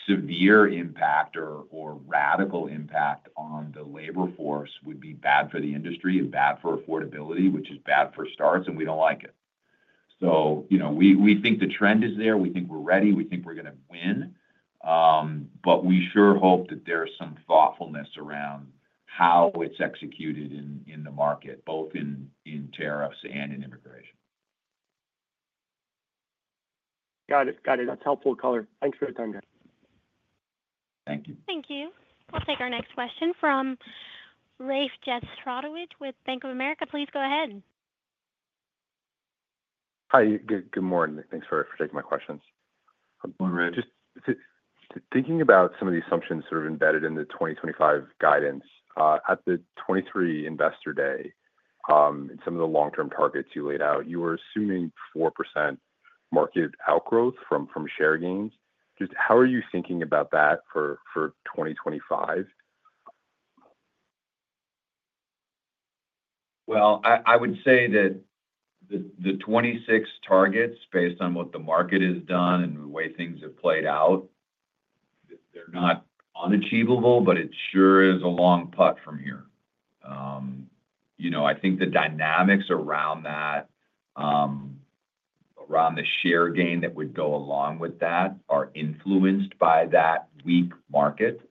severe impact or radical impact on the labor force would be bad for the industry and bad for affordability, which is bad for starts, and we don't like it. So we think the trend is there. We think we're ready. We think we're going to win. But we sure hope that there's some thoughtfulness around how it's executed in the market, both in tariffs and in immigration. Got it. Got it. That's helpful color. Thanks for your time, guys. Thank you. Thank you. We'll take our next question from Rafe Jadrosich with Bank of America. Please go ahead. Hi. Good morning. Thanks for taking my questions. Good morning, Rafe. Just thinking about some of the assumptions sort of embedded in the 2025 guidance at the 2023 Investor Day and some of the long-term targets you laid out, you were assuming 4% market outgrowth from share gains. Just how are you thinking about that for 2025? Well, I would say that the 26 targets, based on what the market has done and the way things have played out, they're not unachievable, but it sure is a long putt from here. I think the dynamics around that, around the share gain that would go along with that, are influenced by that weak market.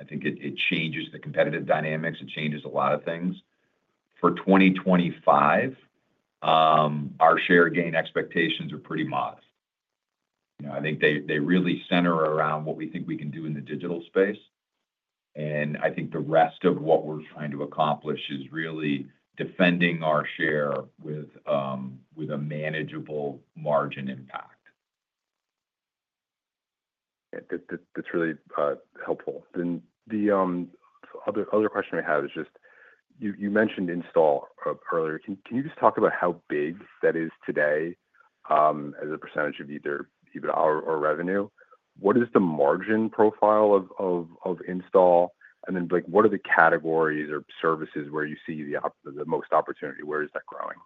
I think it changes the competitive dynamics. It changes a lot of things. For 2025, our share gain expectations are pretty modest. I think they really center around what we think we can do in the digital space. And I think the rest of what we're trying to accomplish is really defending our share with a manageable margin impact. That's really helpful. Then the other question we have is just you mentioned install earlier. Can you just talk about how big that is today as a percentage of either our revenue? What is the margin profile of install? And then what are the categories or services where you see the most opportunity? Where is that growing?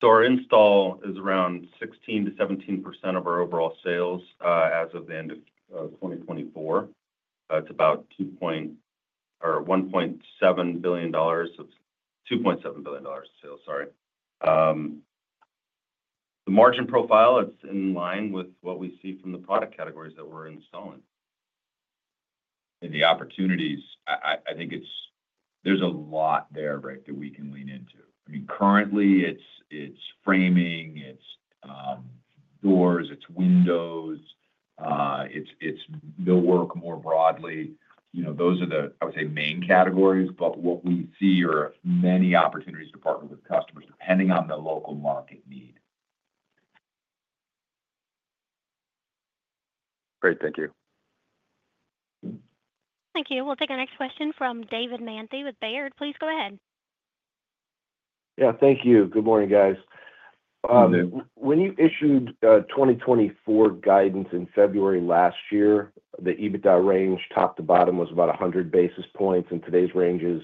So our install is around 16%-17% of our overall sales as of the end of 2024. It's about $1.7 billion of $2.7 billion of sales, sorry. The margin profile, it's in line with what we see from the product categories that we're installing. And the opportunities, I think there's a lot there, right, that we can lean into. I mean, currently, it's framing, it's doors, it's windows, it's millwork more broadly. Those are the, I would say, main categories. But what we see are many opportunities to partner with customers depending on the local market need. Great. Thank you. Thank you. We'll take our next question from David Manthey with Baird. Please go ahead. Yeah. Thank you. Good morning, guys. When you issued 2024 guidance in February last year, the EBITDA range top to bottom was about 100 basis points. Today's range is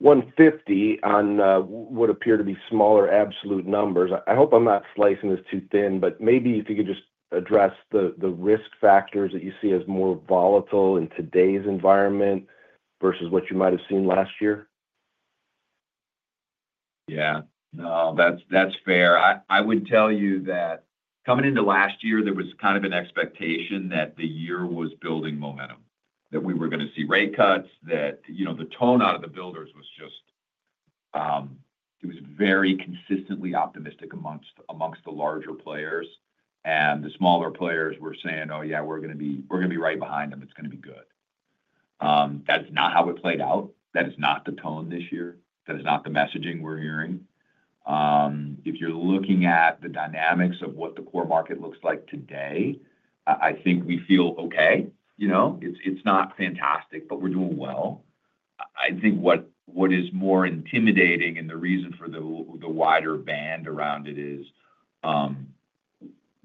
150 on what appear to be smaller absolute numbers. I hope I'm not slicing this too thin, but maybe if you could just address the risk factors that you see as more volatile in today's environment versus what you might have seen last year. Yeah. No, that's fair. I would tell you that coming into last year, there was kind of an expectation that the year was building momentum, that we were going to see rate cuts, that the tone out of the builders was just it was very consistently optimistic amongst the larger players. The smaller players were saying, "Oh, yeah, we're going to be right behind them. It's going to be good." That's not how it played out. That is not the tone this year. That is not the messaging we're hearing. If you're looking at the dynamics of what the core market looks like today, I think we feel okay. It's not fantastic, but we're doing well. I think what is more intimidating and the reason for the wider band around it is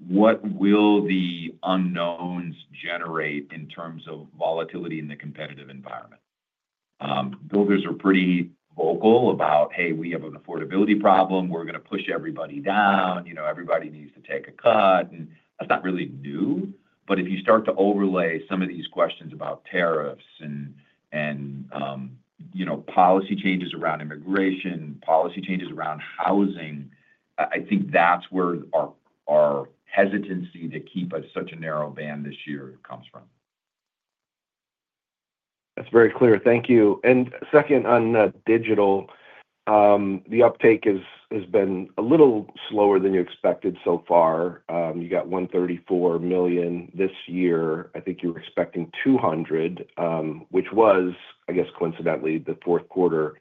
what will the unknowns generate in terms of volatility in the competitive environment? Builders are pretty vocal about, "Hey, we have an affordability problem. We're going to push everybody down. Everybody needs to take a cut." And that's not really new. But if you start to overlay some of these questions about tariffs and policy changes around immigration, policy changes around housing, I think that's where our hesitancy to keep such a narrow band this year comes from. That's very clear. Thank you. And second on digital, the uptake has been a little slower than you expected so far. You got $134 million this year. I think you were expecting $200, which was, I guess, coincidentally, the fourth quarter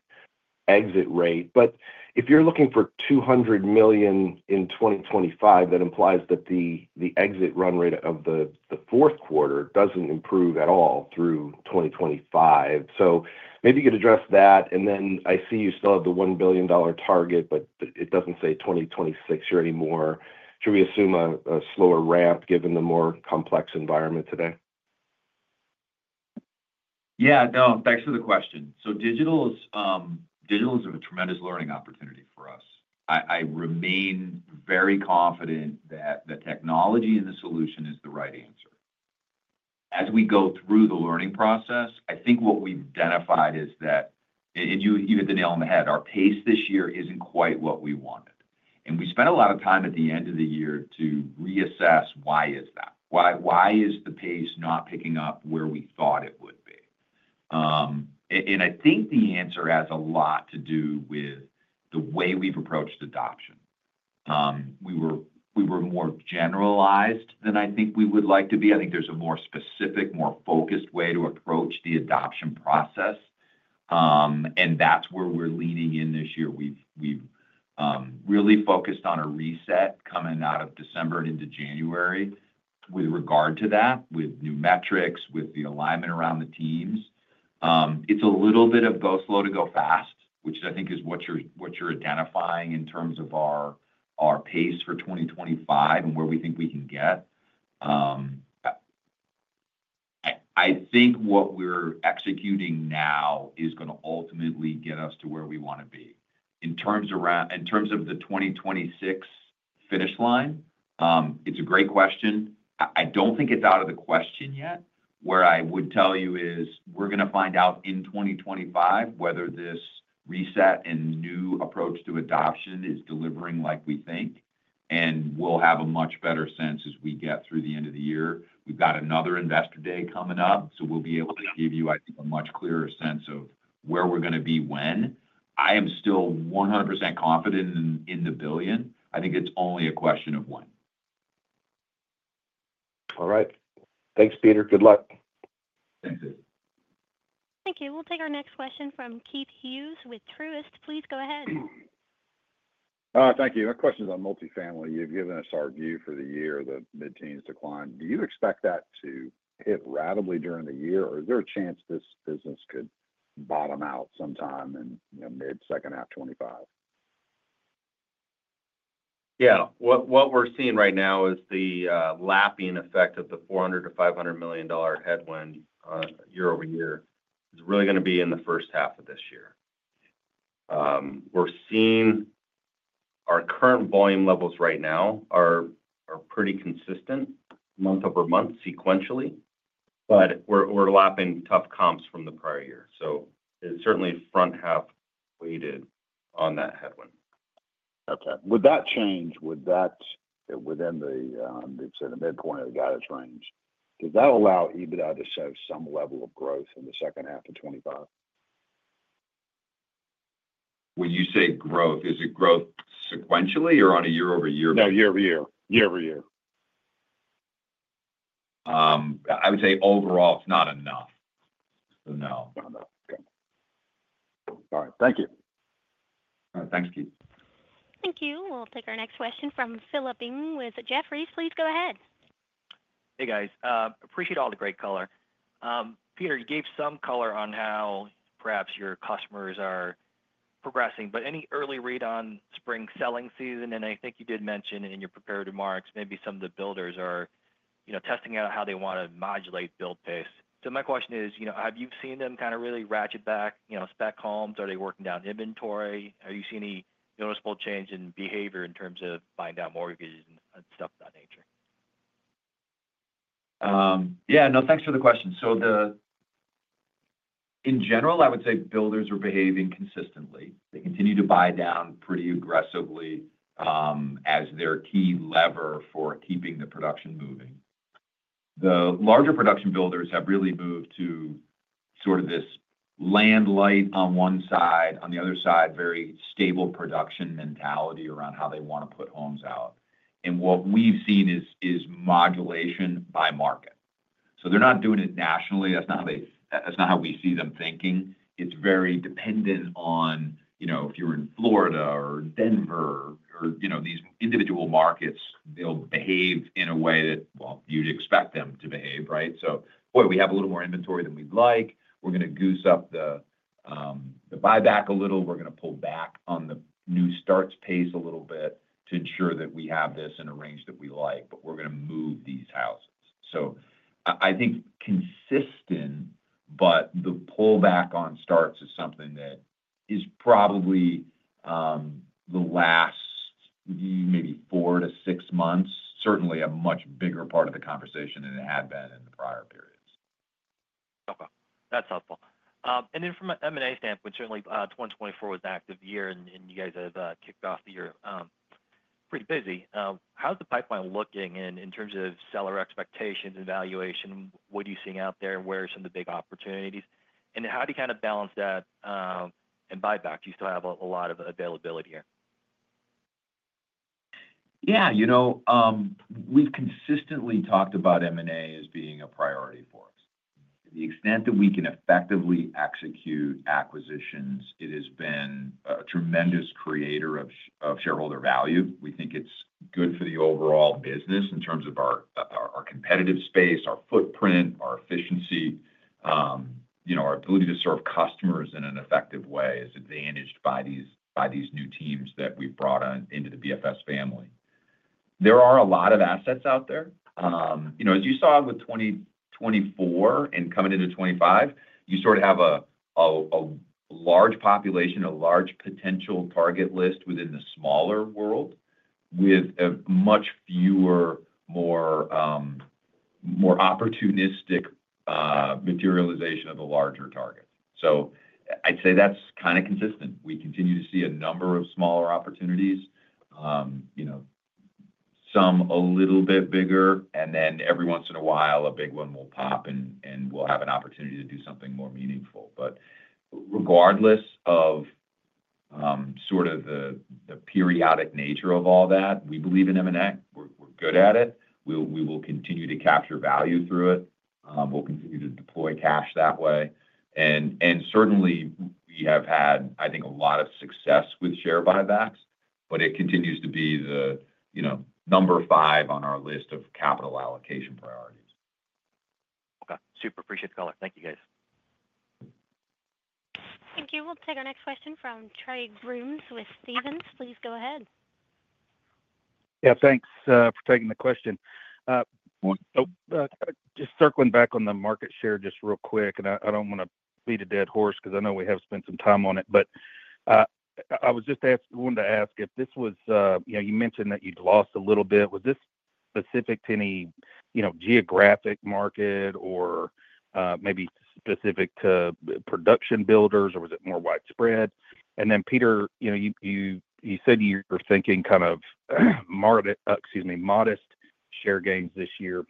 exit rate. But if you're looking for $200 million in 2025, that implies that the exit run rate of the fourth quarter doesn't improve at all through 2025. So maybe you could address that. And then I see you still have the $1 billion target, but it doesn't say 2026 here anymore. Should we assume a slower ramp given the more complex environment today? Yeah. No, thanks for the question. So digital is a tremendous learning opportunity for us. I remain very confident that the technology and the solution is the right answer. As we go through the learning process, I think what we've identified is that, and you hit the nail on the head, our pace this year isn't quite what we wanted. And we spent a lot of time at the end of the year to reassess why is that? Why is the pace not picking up where we thought it would be? And I think the answer has a lot to do with the way we've approached adoption. We were more generalized than I think we would like to be. I think there's a more specific, more focused way to approach the adoption process. And that's where we're leaning in this year. We've really focused on a reset coming out of December and into January with regard to that, with new metrics, with the alignment around the teams. It's a little bit of go slow to go fast, which I think is what you're identifying in terms of our pace for 2025 and where we think we can get. I think what we're executing now is going to ultimately get us to where we want to be. In terms of the 2026 finish line, it's a great question. I don't think it's out of the question yet. Where I would tell you is we're going to find out in 2025 whether this reset and new approach to adoption is delivering like we think, and we'll have a much better sense as we get through the end of the year. We've got another Investor Day coming up, so we'll be able to give you, I think, a much clearer sense of where we're going to be when. I am still 100% confident in the billion. I think it's only a question of when. All right. Thanks, Peter. Good luck. Thanks, Dave. Thank you. We'll take our next question from Keith Hughes with Truist. Please go ahead. Thank you. My question is on multifamily. You've given us your view for the year, the mid-teens decline. Do you expect that to hit harder during the year, or is there a chance this business could bottom out sometime in mid-second half 2025? Yeah. What we're seeing right now is the lapping effect of the $400 million-$500 million headwind year-over-year. It's really going to be in the first half of this year. We're seeing our current volume levels right now are pretty consistent month over month sequentially, but we're lapping tough comps from the prior year. So it's certainly front half weighted on that headwind. Okay. Would that change within the midpoint of the guidance range? Does that allow EBITDA to show some level of growth in the second half of 2025? When you say growth, is it growth sequentially or on a year-over-year basis? No, year-over-year. Year-over-year. I would say overall, it's not enough. So no. Not enough. Okay. All right. Thank you. Thanks, Keith. Thank you. We'll take our next question from Philip Ng with Jefferies. Please go ahead. Hey, guys. Appreciate all the great color. Peter, you gave some color on how perhaps your customers are progressing, but any early read on spring selling season? And I think you did mention in your prepared remarks, maybe some of the builders are testing out how they want to modulate build pace. So my question is, have you seen them kind of really ratchet back spec homes? Are they working down inventory? Are you seeing any noticeable change in behavior in terms of buying down mortgages and stuff of that nature? Yeah. No, thanks for the question. So in general, I would say builders are behaving consistently. They continue to buy down pretty aggressively as their key lever for keeping the production moving. The larger production builders have really moved to sort of this land-light on one side, on the other side, very stable production mentality around how they want to put homes out. And what we've seen is modulation by market. So they're not doing it nationally. That's not how we see them thinking. It's very dependent on if you're in Florida or Denver or these individual markets, they'll behave in a way that, well, you'd expect them to behave, right? So, boy, we have a little more inventory than we'd like. We're going to goose up the buyback a little. We're going to pull back on the new starts pace a little bit to ensure that we have this in a range that we like, but we're going to move these houses. So I think consistent, but the pullback on starts is something that is probably the last maybe four to six months, certainly a much bigger part of the conversation than it had been in the prior periods. Okay. That's helpful. And then from an M&A standpoint, certainly 2024 was an active year, and you guys have kicked off the year pretty busy. How's the pipeline looking in terms of seller expectations and valuation? What are you seeing out there? Where are some of the big opportunities? And how do you kind of balance that and buyback? Do you still have a lot of availability here? Yeah. We've consistently talked about M&A as being a priority for us. To the extent that we can effectively execute acquisitions, it has been a tremendous creator of shareholder value. We think it's good for the overall business in terms of our competitive space, our footprint, our efficiency. Our ability to serve customers in an effective way is advantaged by these new teams that we've brought into the BFS family. There are a lot of assets out there. As you saw with 2024 and coming into 2025, you sort of have a large population, a large potential target list within the smaller world with much fewer, more opportunistic materialization of the larger target. So I'd say that's kind of consistent. We continue to see a number of smaller opportunities, some a little bit bigger, and then every once in a while, a big one will pop, and we'll have an opportunity to do something more meaningful. But regardless of sort of the periodic nature of all that, we believe in M&A. We're good at it. We will continue to capture value through it. We'll continue to deploy cash that way. And certainly, we have had, I think, a lot of success with share buybacks, but it continues to be the number five on our list of capital allocation priorities. Okay. Super. Appreciate the color. Thank you, guys. Thank you. We'll take our next question from Trey Grooms with Stephens. Please go ahead. Yeah. Thanks for taking the question. Just circling back on the market share just real quick, and I don't want to beat a dead horse because I know we have spent some time on it, but I was just wanting to ask if this was, you mentioned that you'd lost a little bit. Was this specific to any geographic market or maybe specific to production builders, or was it more widespread? Peter, you said you were thinking kind of, excuse me, modest share gains this year,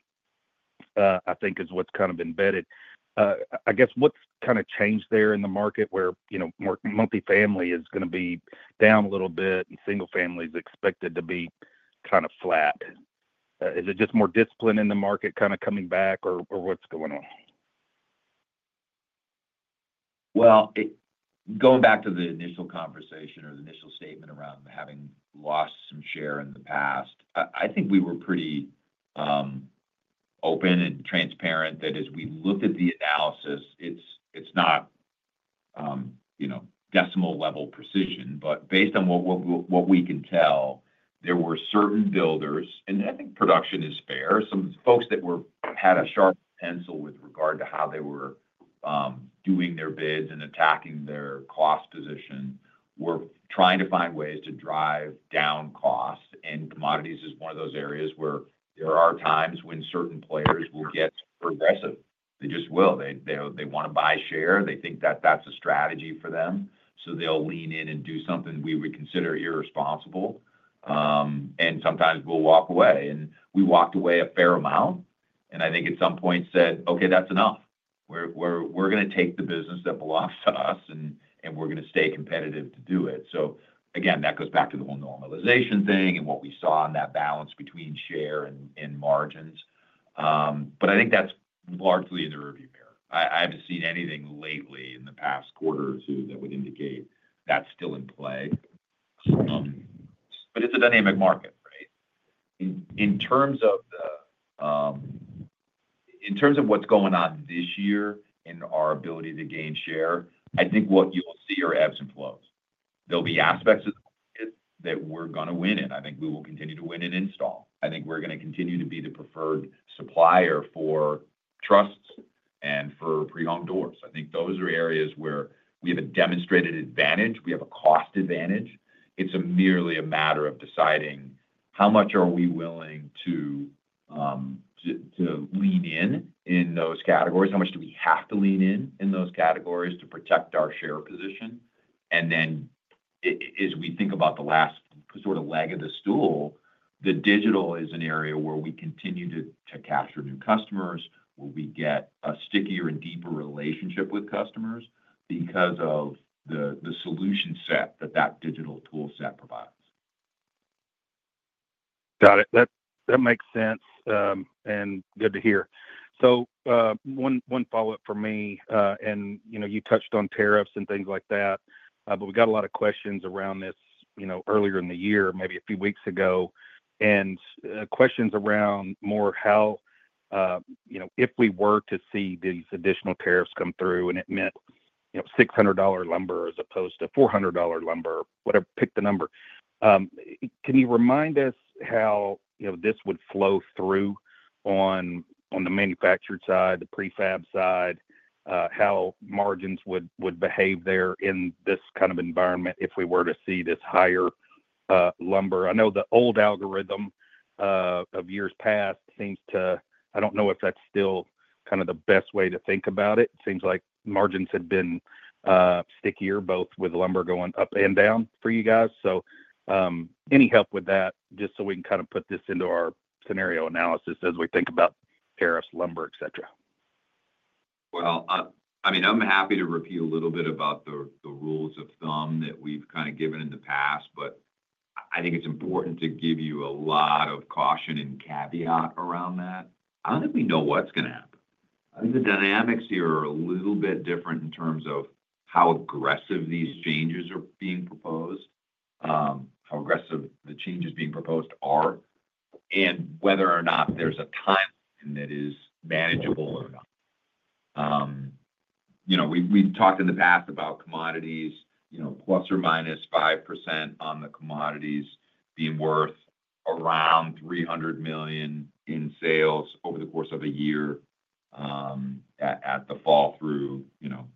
I think, is what's kind of embedded. I guess what's kind of changed there in the market where multifamily is going to be down a little bit and single families expected to be kind of flat? Is it just more discipline in the market kind of coming back, or what's going on? Going back to the initial conversation or the initial statement around having lost some share in the past, I think we were pretty open and transparent that as we looked at the analysis, it's not decimal-level precision, but based on what we can tell, there were certain builders, and I think production is fair. Some folks that had a sharp pencil with regard to how they were doing their bids and attacking their cost position were trying to find ways to drive down costs, and commodities is one of those areas where there are times when certain players will get aggressive. They just will. They want to buy share. They think that that's a strategy for them, so they'll lean in and do something we would consider irresponsible, and sometimes we'll walk away. And we walked away a fair amount, and I think at some point said, "Okay, that's enough. We're going to take the business that belongs to us, and we're going to stay competitive to do it." So again, that goes back to the whole normalization thing and what we saw in that balance between share and margins, but I think that's largely in the rearview mirror. I haven't seen anything lately in the past quarter or two that would indicate that's still in play. But it's a dynamic market, right? In terms of what's going on this year in our ability to gain share, I think what you'll see are ebbs and flows. There'll be aspects of the market that we're going to win in. I think we will continue to win in install. I think we're going to continue to be the preferred supplier for trusses and for pre-hung doors. I think those are areas where we have a demonstrated advantage. We have a cost advantage. It's merely a matter of deciding how much are we willing to lean in in those categories? How much do we have to lean in in those categories to protect our share position? Then as we think about the last sort of leg of the stool, the digital is an area where we continue to capture new customers, where we get a stickier and deeper relationship with customers because of the solution set that that digital toolset provides. Got it. That makes sense and good to hear. So one follow-up for me, and you touched on tariffs and things like that, but we got a lot of questions around this earlier in the year, maybe a few weeks ago, and questions around more how if we were to see these additional tariffs come through and it meant $600 lumber as opposed to $400 lumber, whatever, pick the number. Can you remind us how this would flow through on the manufactured side, the prefab side, how margins would behave there in this kind of environment if we were to see this higher lumber? I know the old algorithm of years past seems to—I don't know if that's still kind of the best way to think about it. It seems like margins had been stickier, both with lumber going up and down for you guys. So any help with that just so we can kind of put this into our scenario analysis as we think about tariffs, lumber, etc.? Well, I mean, I'm happy to repeat a little bit about the rules of thumb that we've kind of given in the past, but I think it's important to give you a lot of caution and caveat around that. I don't think we know what's going to happen.I think the dynamics here are a little bit different in terms of how aggressive these changes are being proposed, how aggressive the changes being proposed are, and whether or not there's a time that is manageable or not. We've talked in the past about commodities, plus or minus 5% on the commodities being worth around $300 million in sales over the course of a year at the flow-through,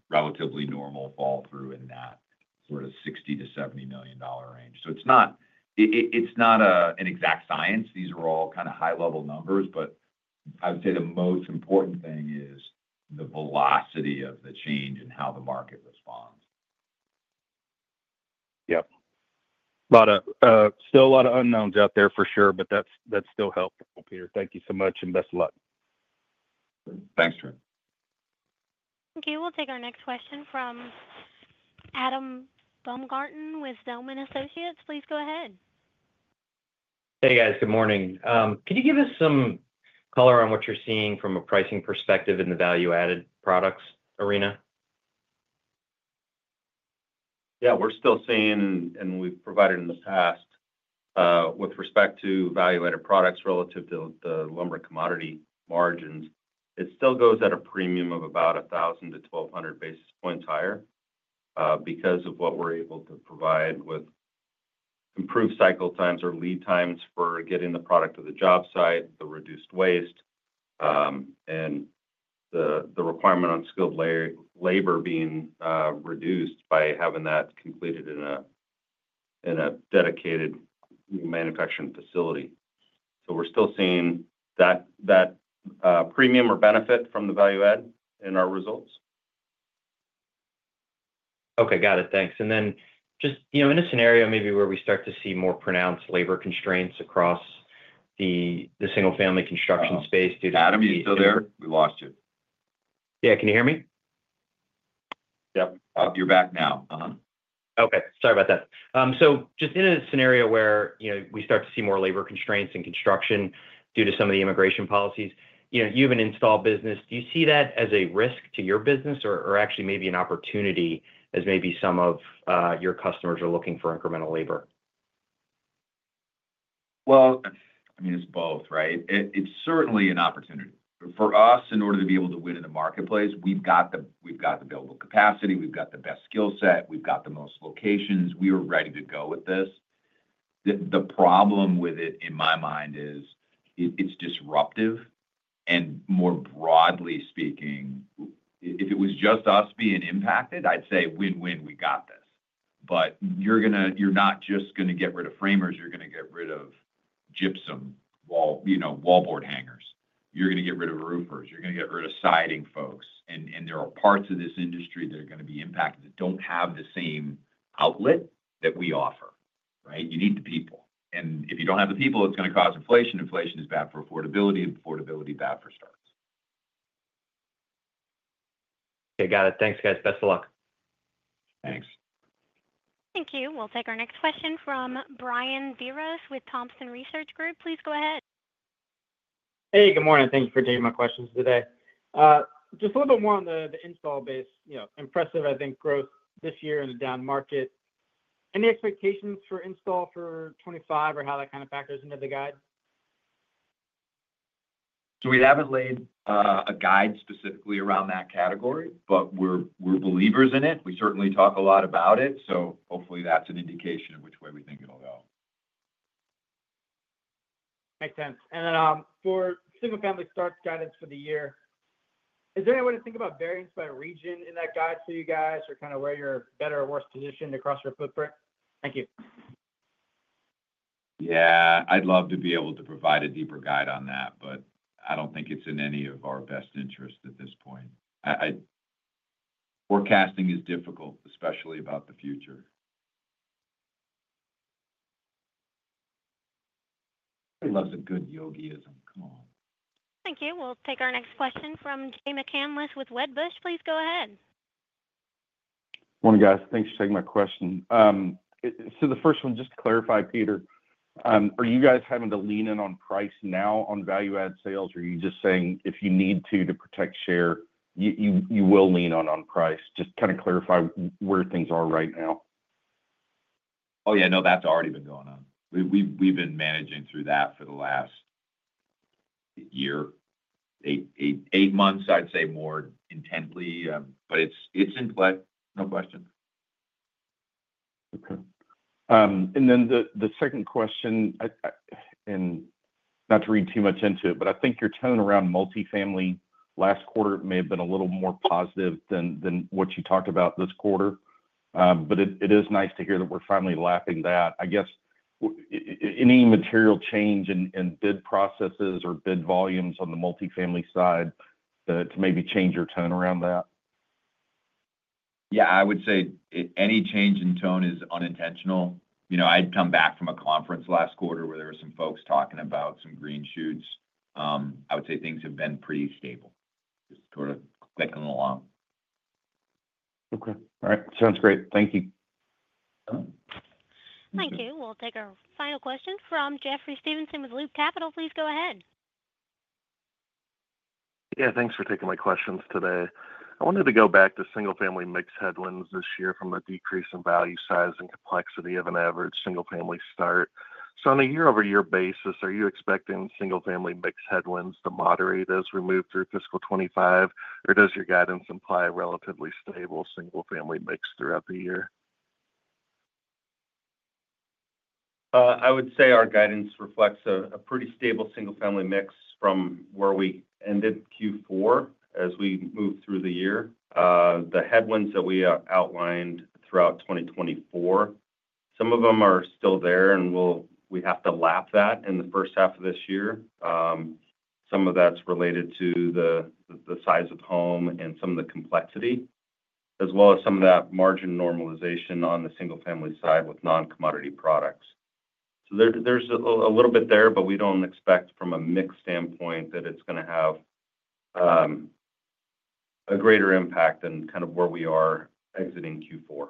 relatively normal flow-through in that sort of $60-$70 million range. So it's not an exact science. These are all kind of high-level numbers, but I would say the most important thing is the velocity of the change and how the market responds. Yep. Still a lot of unknowns out there for sure, but that's still helpful. Peter, thank you so much and best of luck. Thanks, Trey. Thank you. We'll take our next question from Adam Baumgarten with Zelman & Associates. Please go ahead. Hey, guys. Good morning. Can you give us some color on what you're seeing from a pricing perspective in the value-added products arena? Yeah. We're still seeing, and we've provided in the past with respect to value-added products relative to the lumber commodity margins, it still goes at a premium of about 1,000-1,200 basis points higher because of what we're able to provide with improved cycle times or lead times for getting the product to the job site, the reduced waste, and the requirement on skilled labor being reduced by having that completed in a dedicated manufacturing facility. So we're still seeing that premium or benefit from the value-add in our results. Okay. Got it. Thanks. And then just in a scenario maybe where we start to see more pronounced labor constraints across the single-family construction space due to, Adam, you still there? We lost you. Yeah. Can you hear me? Yep. You're back now. Okay. Sorry about that. So just in a scenario where we start to see more labor constraints in construction due to some of the immigration policies, you have an install business. Do you see that as a risk to your business or actually maybe an opportunity as maybe some of your customers are looking for incremental labor? Well, I mean, it's both, right? It's certainly an opportunity. For us, in order to be able to win in the marketplace, we've got the available capacity. We've got the best skill set. We've got the most locations. We are ready to go with this. The problem with it, in my mind, is it's disruptive. And more broadly speaking, if it was just us being impacted, I'd say win-win. We got this. But you're not just going to get rid of framers. You're going to get rid of gypsum wallboard hangers. You're going to get rid of roofers. You're going to get rid of siding folks. And there are parts of this industry that are going to be impacted that don't have the same outlet that we offer, right? You need the people. And if you don't have the people, it's going to cause inflation. Inflation is bad for affordability. Affordability is bad for starts. Okay. Got it. Thanks, guys. Best of luck. Thanks. Thank you. We'll take our next question from Brian Biros with Thompson Research Group. Please go ahead. Hey, good morning. Thank you for taking my questions today. Just a little bit more on the install-based, impressive, I think, growth this year in the down market. Any expectations for install for 2025 or how that kind of factors into the guide? So we haven't laid a guide specifically around that category, but we're believers in it. We certainly talk a lot about it. So hopefully, that's an indication of which way we think it'll go. Makes sense. And then for single-family starts guidance for the year, is there any way to think about variance by region in that guide for you guys or kind of where you're better or worse positioned across your footprint? Thank you. Yeah. I'd love to be able to provide a deeper guide on that, but I don't think it's in any of our best interests at this point. Forecasting is difficult, especially about the future. He loves a good Yogi-ism. Come on. Thank you. We'll take our next question from Jay McCanless with Wedbush. Please go ahead. Morning, guys. Thanks for taking my question. So the first one, just to clarify, Peter, are you guys having to lean in on price now on value-added sales, or are you just saying if you need to, to protect share, you will lean on price? Just kind of clarify where things are right now. Oh, yeah. No, that's already been going on. We've been managing through that for the last year, eight months, I'd say more intensely, but it's in play. No question. Okay. And then the second question, and not to read too much into it, but I think your tone around multifamily last quarter may have been a little more positive than what you talked about this quarter. But it is nice to hear that we're finally lapping that. I guess any material change in bid processes or bid volumes on the multifamily side to maybe change your tone around that? Yeah. I would say any change in tone is unintentional. I'd come back from a conference last quarter where there were some folks talking about some green shoots. I would say things have been pretty stable, just sort of clicking along. Okay. All right. Sounds great. Thank you. Thank you. We'll take our final question from Jeffrey Stevenson with Loop Capital. Please go ahead. Yeah. Thanks for taking my questions today. I wanted to go back to single-family mix headwinds this year from a decrease in value, size, and complexity of an average single-family start. So on a year-over-year basis, are you expecting single-family mix headwinds to moderate as we move through fiscal 2025, or does your guidance imply a relatively stable single-family mix throughout the year? I would say our guidance reflects a pretty stable single-family mix from where we ended Q4 as we moved through the year. The headwinds that we outlined throughout 2024, some of them are still there, and we have to lap that in the first half of this year. Some of that's related to the size of home and some of the complexity, as well as some of that margin normalization on the single-family side with non-commodity products. So there's a little bit there, but we don't expect from a mix standpoint that it's going to have a greater impact than kind of where we are exiting Q4.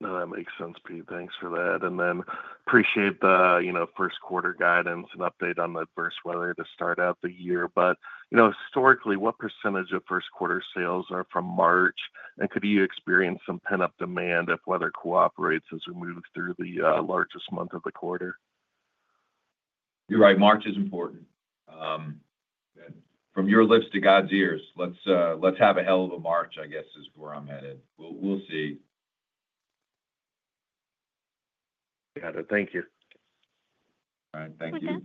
No, that makes sense, Peter. Thanks for that. And then appreciate the first quarter guidance and update on the adverse weather to start out the year. But historically, what percentage of first-quarter sales are from March? Could you experience some pent-up demand if weather cooperates as we move through the largest month of the quarter? You're right. March is important. From your lips to God's ears, let's have a hell of a March, I guess, is where I'm headed. We'll see. Got it. Thank you. All right. Thank you.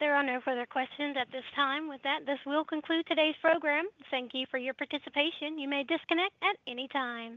There are no further questions at this time. With that, this will conclude today's program. Thank you for your participation. You may disconnect at any time.